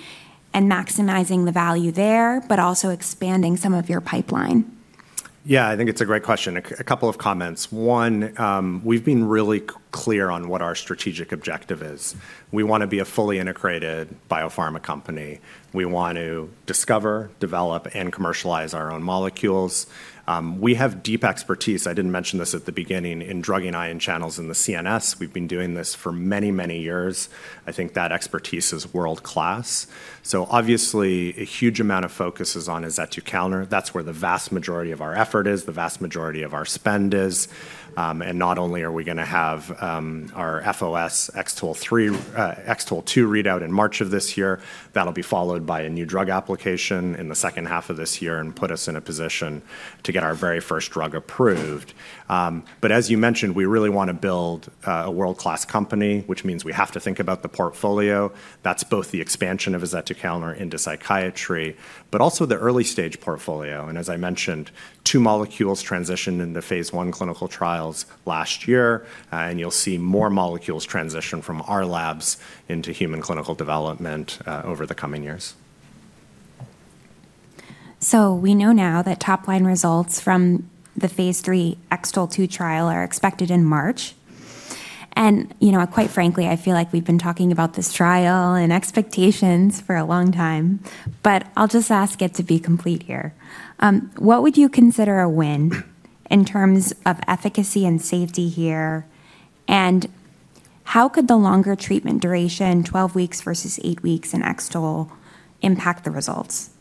and maximizing the value there, but also expanding some of your pipeline? Yeah, I think it's a great question. A couple of comments. One, we've been really clear on what our strategic objective is. We want to be a fully integrated biopharma company. We want to discover, develop and commercialize our own molecules. We have deep expertise, I didn't mention this at the beginning. In drugging ion channels in the CNS. We've been doing this for many, many years. I think that expertise is world class. So obviously a huge amount of focus is on azetukalner. That's where the vast majority of our effort is, the vast majority of our spend is. And not only are we going to have our phase III X-TOLE2 readout in March of this year, that'll be followed by a new drug application in the second half of this year and put us in a position to get our very first drug approved. But as you mentioned, we really want to build a world-class company, which means we have to think about the portfolio. That's both the expansion of azetukalner into psychiatry, but also the early stage portfolio. And as I mentioned, two molecules transition in the phase I clinical trial last year and you'll see more molecules transition from our labs into human clinical development over the coming years. So we know now that top-line results from the phase III X-TOLE2 trial are expected in March. And you know, quite frankly I feel like we've been talking about this trial and expectations for a long time, but I'll just ask it to be complete here. What would you consider a win in terms of efficacy and safety here and how could the longer treatment duration, 12 weeks versus eight weeks in X-TOLE impact the results?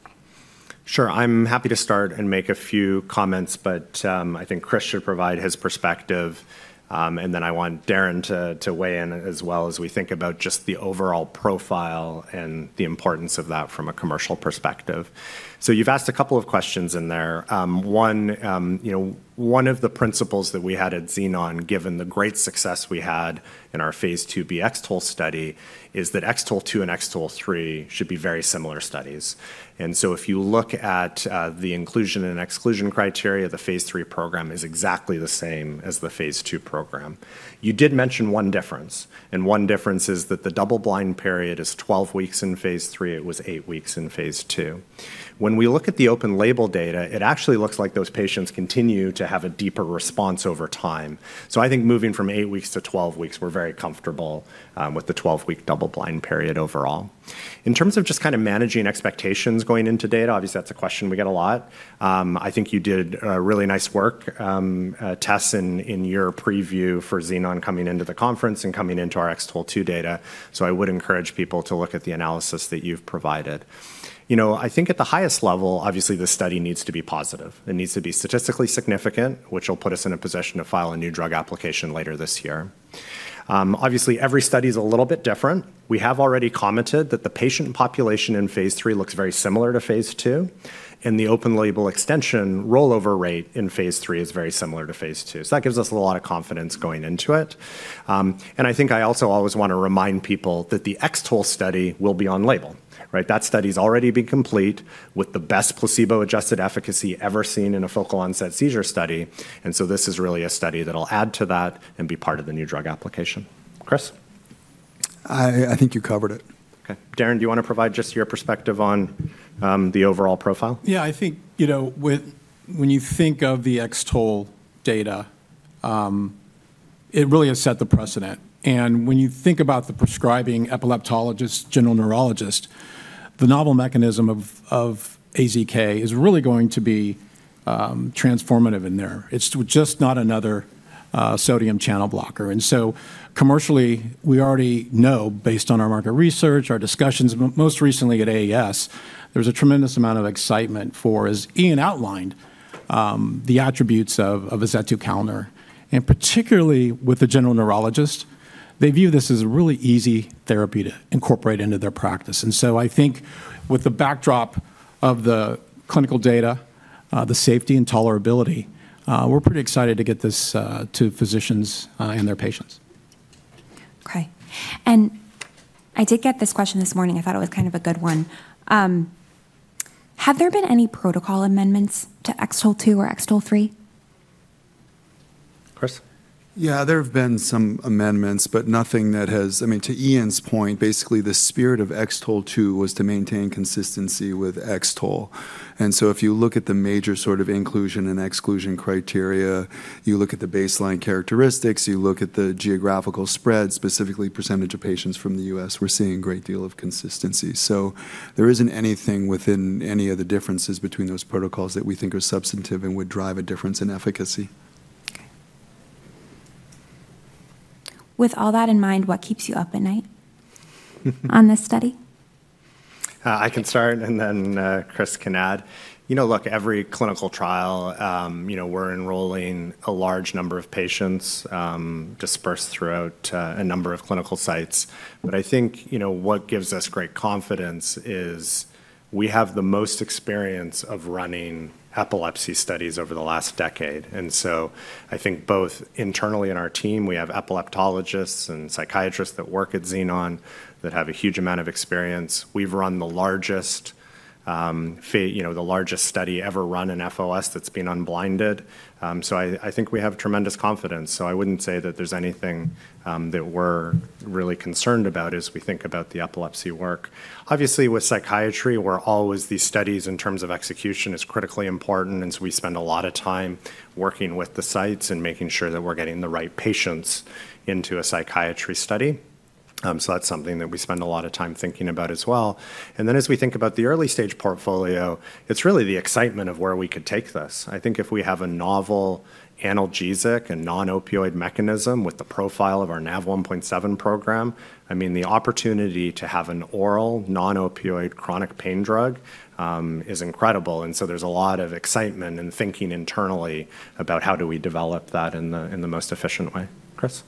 Sure, I'm happy to start and make a few comments, but I think Chris should provide his perspective, and then I want Darren to weigh in as well as we think about just the overall profile and the importance of that from a commercial perspective. So you've asked a couple of questions in there. One of the principles that we had at Xenon, given the great success we had in our phase II-B X-TOLE study, is that X-TOLE2 and X-TOLE3 should be very similar studies, and so if you look at the inclusion and exclusion criteria, the phase III program is exactly the same as the phase II program. You did mention one difference, and one difference is that the double blind period is 12 weeks in phase III, it was eight weeks in phase II. When we look at the open label data, it actually looks like those patients continue to have a deeper response over time. So I think moving from eight weeks to 12 weeks, we're very comfortable with the 12-week double blind period overall. In terms of just kind of managing expectations going into data, obviously that's a question we get a lot. I think you did really nice work, Tess, in your preview for Xenon coming into the conference and coming into our X-TOLE2 data, so I would encourage people to look at the analysis that you've provided. You know, I think at the highest level, obviously this study needs to be positive, it needs to be statistically significant, which will put us in a position to file a new drug application later this year. Obviously, every study is a little bit different. We have already commented that the patient population in phase III looks very similar to phase II and the open-label extension rollover rate in phase III is very similar to phase II. So that gives us a lot of confidence going into it, and I think I also always want to remind people that the X-TOLE study will be on-label. Right. That study's already been complete with the best placebo adjusted efficacy ever seen in a focal onset seizure study, and so this is really a study that'll add to that and be part of the new drug application. Chris? I think you covered it. Darren, do you want to provide just your perspective on the overall profile? Yeah, I think, you know, when you think of the X-TOLE data, it really has set the precedent. And when you think about the prescribing epileptologist, general neurologist, the novel mechanism of AZK is really going to be transformative in there. It's just not another sodium channel blocker. And so commercially we already know, based on our market research, our discussions most recently at AES, there's a tremendous amount of excitement for, as Ian outlined, the attributes of azetukalner and particularly with the general neurologist, they view this as a really easy therapy to incorporate into their practice. And so I think with the backdrop of the clinical data, the safety and tolerability, we're pretty excited to get this to physicians and their patients. Okay. And I did get this question this morning. I thought it was kind of a good one. Have there been any protocol amendments to X-TOLE2 or X-TOLE3? Chris? Yeah, there have been some amendments, but nothing that has. I mean, to Ian's point, basically the spirit of X-TOLE2 was to maintain consistent with X-TOLE. And so if you look at the major sort of inclusion and exclusion criteria, you look at the baseline characteristics, you look at the geographical spread, specifically percentage of patients from the U.S., we're seeing a great deal of consistency. So there isn't anything within any of the differences between those protocols that we think are substantive and would drive a difference in efficacy. With all that in mind, what keeps you up at night on this study? I can start and then Chris can add, you know, look, every clinical trial, you know, we're enrolling a large number of patients dispersed throughout a number of clinical sites. But I think, you know, what gives us great confidence is we have the most experience of running epilepsy studies over the last decade. And so I think both internally in our team, we have epileptologists and psychiatrists that work at Xenon that have a huge amount of experience. We've run the largest, you know, the largest study ever run in FOS that's been unblinded. So I think we have tremendous confidence. So I wouldn't say that there's anything that we're really concerned about as we think about the epilepsy work. Obviously, with psychiatry, we're always these studies in terms of execution is critically important as we spend a lot of time working with the sites and making sure that we're getting the right patients into a psychiatry study. So that's something that we spend a lot of time thinking about as well, and then as we think about the early stage portfolio, it's really the excitement of where we could take this. I think if we have a novel analgesic and non-opioid mechanism with the profile of our Nav1.7 program, I mean, the opportunity to have an oral non-opioid chronic pain drug is incredible, and so there's a lot of excitement and thinking internally about how do we develop that in the most efficient way? Chris?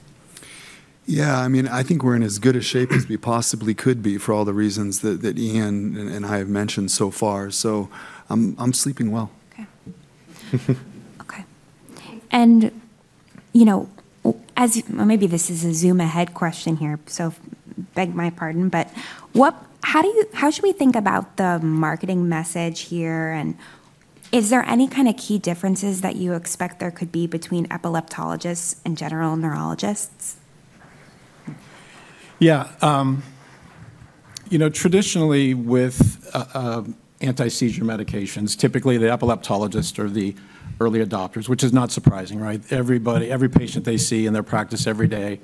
Yeah, I mean, I think we're in as good a shape as we possibly could be for all the reasons that Ian and I have mentioned so far, so I'm sleeping well. Okay. And you know, as maybe this is a zoom ahead question here. So beg your pardon, but how should we think about the marketing message here? And is there any kind of key differences that you expect there could be between epileptologists and general neurologists? Yeah, you know, traditionally with anti-seizure medications, typically the epileptologist or the early adoption, which is not surprising. Right. Everybody, every patient they see in their practice every day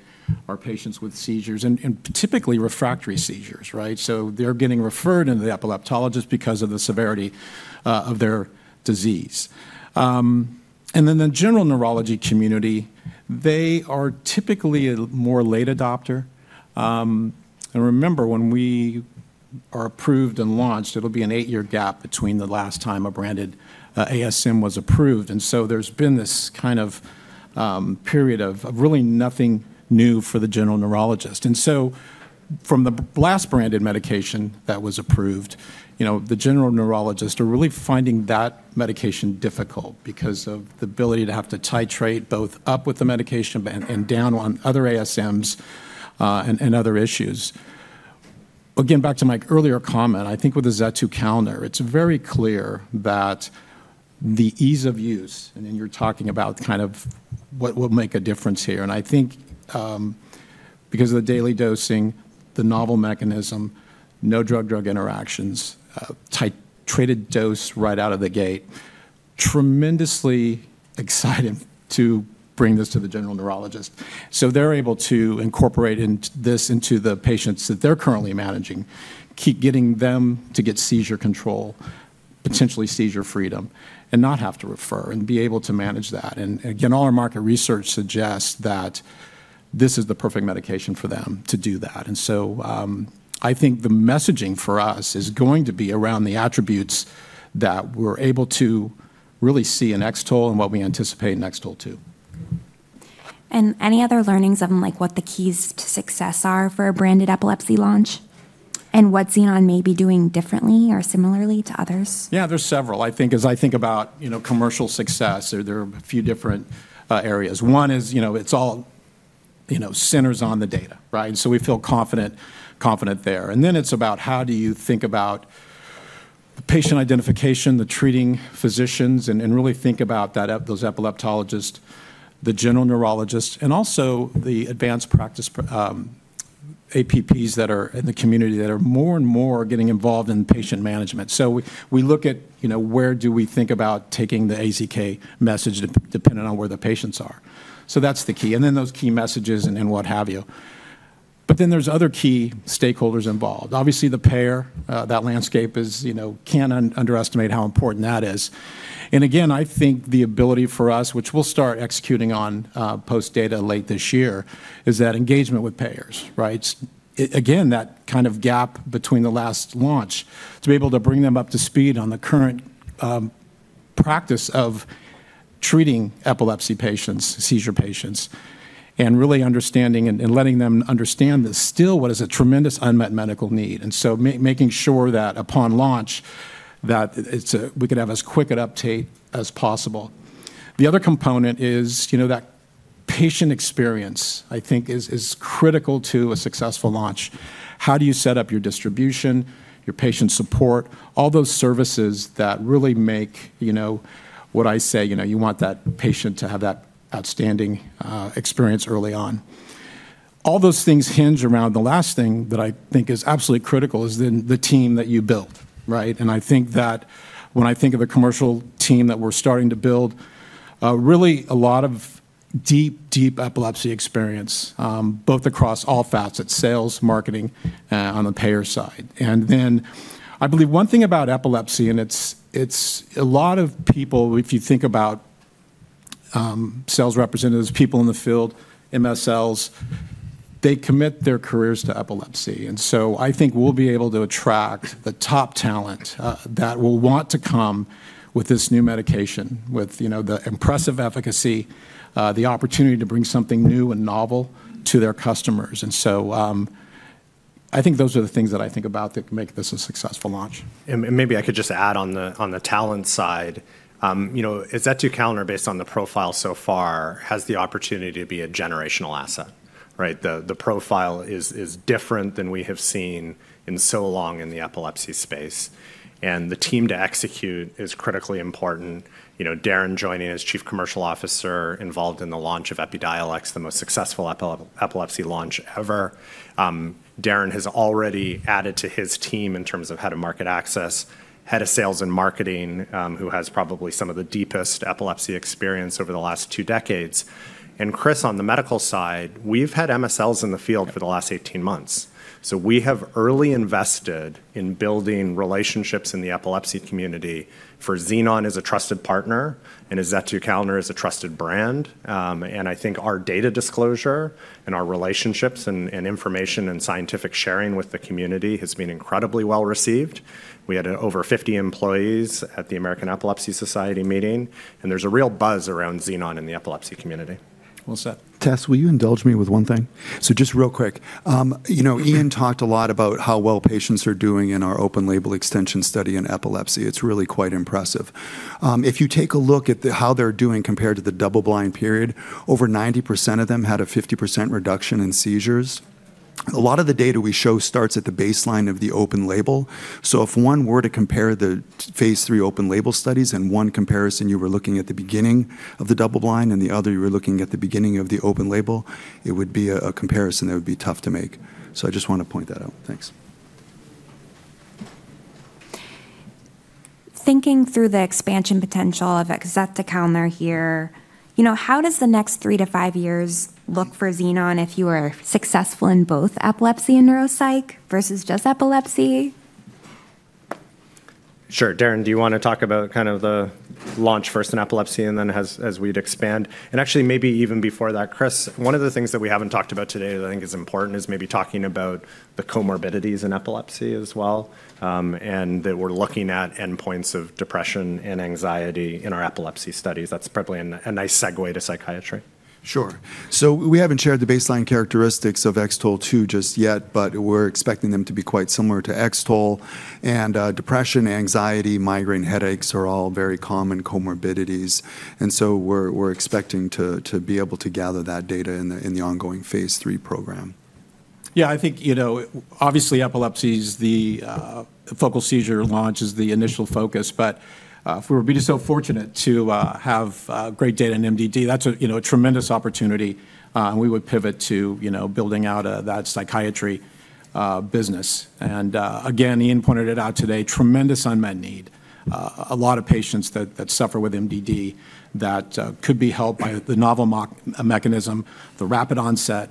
are patients with seizures and typically refractory seizures. Right. So they're getting referred to the epileptologist because of the severity of their disease. And then the general neurology community, they are typically a more late adopter. And remember, when we are approved and launched, it'll be an eight-year gap between the last time a branded ASM was approved. And so there's been this kind of period of really nothing new for the general neurologist. And so from the last branded medication that was approved, you know, the general neurologists are really finding that medication difficult because of the ability to have to titrate both up with the medication and down on other ASMs and other issues. Again, back to my earlier comment. I think with azetukalner, it's very clear that the ease of use, and then you're talking about kind of what will make a difference here. And I think because of the daily dosing, the novel mechanism, no drug-drug interactions, titrated dose right out of the gate. Tremendously excited to bring this to the general neurologist. So they're able to incorporate this into the patients that they're currently managing, keep getting them to get seizure control, potentially seizure freedom and not have to refer and be able to manage that. And again, all our market research suggests that this is the perfect medication for them to do that. And so I think the messaging for us is going to be around the attributes that we're able to to really see in X-TOLE and what we anticipate, an X-TOLE2. Any other learnings of like what the keys to success are for a branded epilepsy launch and what Xenon may be doing differently or similarly to others? Yeah, there's several. I think as I think about commercial success, there are a few different areas. One is it's all centers on the data. Right. So we feel confident there and then it's about how. How do you think about patient identification, the treating physicians and really think about those epileptologists, the general neurologists and also the advanced practice APPs that are in the community that are more and more getting involved in patient management. So we look at where do we think about taking the AZK message depending on where the patients are. So that's the key and then those key messages and what have you. But then there's other key stakeholders involved. Obviously the payer, that landscape is, you know, can underestimate how important that is. And again, I think the ability for us, which we'll start executing on post data late this year, is that engagement with payers. Right. Again, that kind of gap between the last launch to be able to bring them up to speed on the current practice of treating epilepsy patients, seizure patients, and really understanding and letting them understand still what is a tremendous unmet medical need. And so making sure that upon launch that we could have as quick an update as possible. The other component is, you know, that patient experience I think is critical to a successful launch. How do you set up your distribution, your patient support, all those services that really make what I say, you want that patient to have that outstanding experience early on. All those things hinge around. The last thing that I think is absolutely critical is the team that you build. And I think that when I think of a commercial team that we're starting to build, really a lot of deep, deep epilepsy experience both across all facets. Sales, marketing on the payer side. And then I believe one thing about epilepsy and it's a lot of people, if you think about sales representatives, people in the field, MSLs, they commit their careers to epilepsy. And so I think we'll be able to attract the top talent that will want to come with this new medication with the impressive efficacy, the opportunity to bring something new and novel to their customers. And so I think those are the things that I think about that make this a successful launch. Maybe I could just add, on the talent side, azetukalner based on the profile so far has the opportunity to be a generational asset. Right. The profile is different than we have seen in so long in the epilepsy space. And the team to execute is critically important. You know, Darren joining as chief commercial officer involved in the launch of Epidiolex, the most successful epilepsy launch ever. Darren has already added to his team in terms of head of market access, head of sales and marketing who has probably some of the deepest epilepsy experience over the last two decades. And Chris, on the medical side, we've had MSLs in the field for the last 18 months. So we have already invested in building relationships in the epilepsy community for Xenon as a trusted partner, and is azetukalner a trusted brand. I think our data disclosure and our relationships and information and scientific sharing with the community has been incredibly well received. We had over 50 employees at the American Epilepsy Society meeting and there's a real buzz around Xenon in the epilepsy community. Well said. Tess, will you indulge me with one thing? So just real quick. You know, Ian talked a lot about how well patients are doing in our open label extension study in epilepsy. It's really quite impressive. If you take a look at how they're doing compared to the double blind period, over 90% of them had a 50% reduction in seizures. A lot of the data we show starts at the baseline of the open label. So if one were to compare the phase III open label studies, and one comparison you were looking at the beginning of the double blind and the other you were looking at the beginning of the open label, it would be a comparison that would be tough to make. So I just want to point that out. Thanks. Thinking through the expansion potential of azetukalner here, you know, how does the next three to five years look for Xenon if you are successful in both epilepsy and neuropsych versus just epilepsy? Sure. Darren, do you want to talk about kind of the launch first in epilepsy and then as we'd expand? And actually maybe even before that, Chris, one of the things that we haven't talked about today that I think is important is maybe talking about the comorbidities in epilepsy as well, and that we're looking at endpoints of depression and anxiety in our epilepsy studies. That's probably a nice segue to psychiatry. Sure. We haven't shared the baseline characteristics of X-TOLE2 just yet, but we're expecting them to be quite similar to X-TOLE. Depression, anxiety, migraine, headaches are all very common comorbidities. We're expecting to be able to gather that data in the ongoing phase III program. Yeah, I think, you know, obviously epilepsy is the focal seizure launch is the initial focus. But if we were being so fortunate to have great data in MDD, that's a tremendous opportunity and we would pivot to, you know, building out that psychiatry business. And again, Ian pointed it out today, tremendous unmet need. A lot of patients that suffer with MDD that could be helped by the novel mechanism, the rapid onset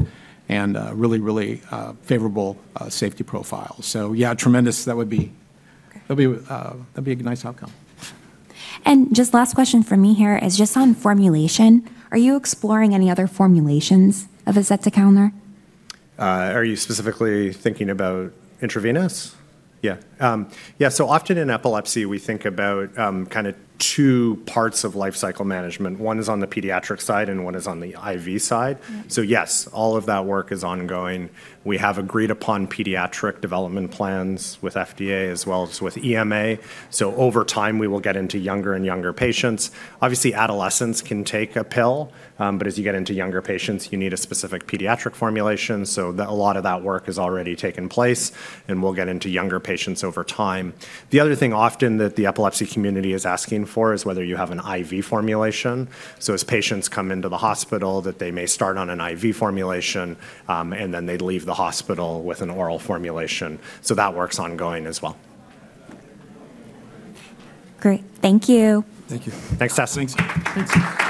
and really, really favorable safety profile. So, yeah, tremendous. That would be. That'd be a nice outcome. Just last question for me here is just on formulation. Are you exploring any other formulations of azetukalner? Are you specifically thinking about intravenous? Yeah. Yeah. So often in epilepsy, we think about kind of two parts of life cycle management. One is on the pediatric side and one is on the IV side. So, yes, all of that work is ongoing. We have agreed upon pediatric development plans with FDA as well with EMA. So over time, we will get into younger and younger patients. Obviously, adolescents can take a pill, but as you get into younger patients, you need a specific pediatric formulation. So a lot of that work has already taken place, and we'll get into younger patients over time. The other thing, often that the epilepsy community is asking for is whether you have an IV formulation. So as patients come into the hospital that they may start on an IV formulation and then they leave the hospital with an oral formulation. So that works ongoing as well. Great. Thank you. Thank you. Thanks, Tess. Thanks.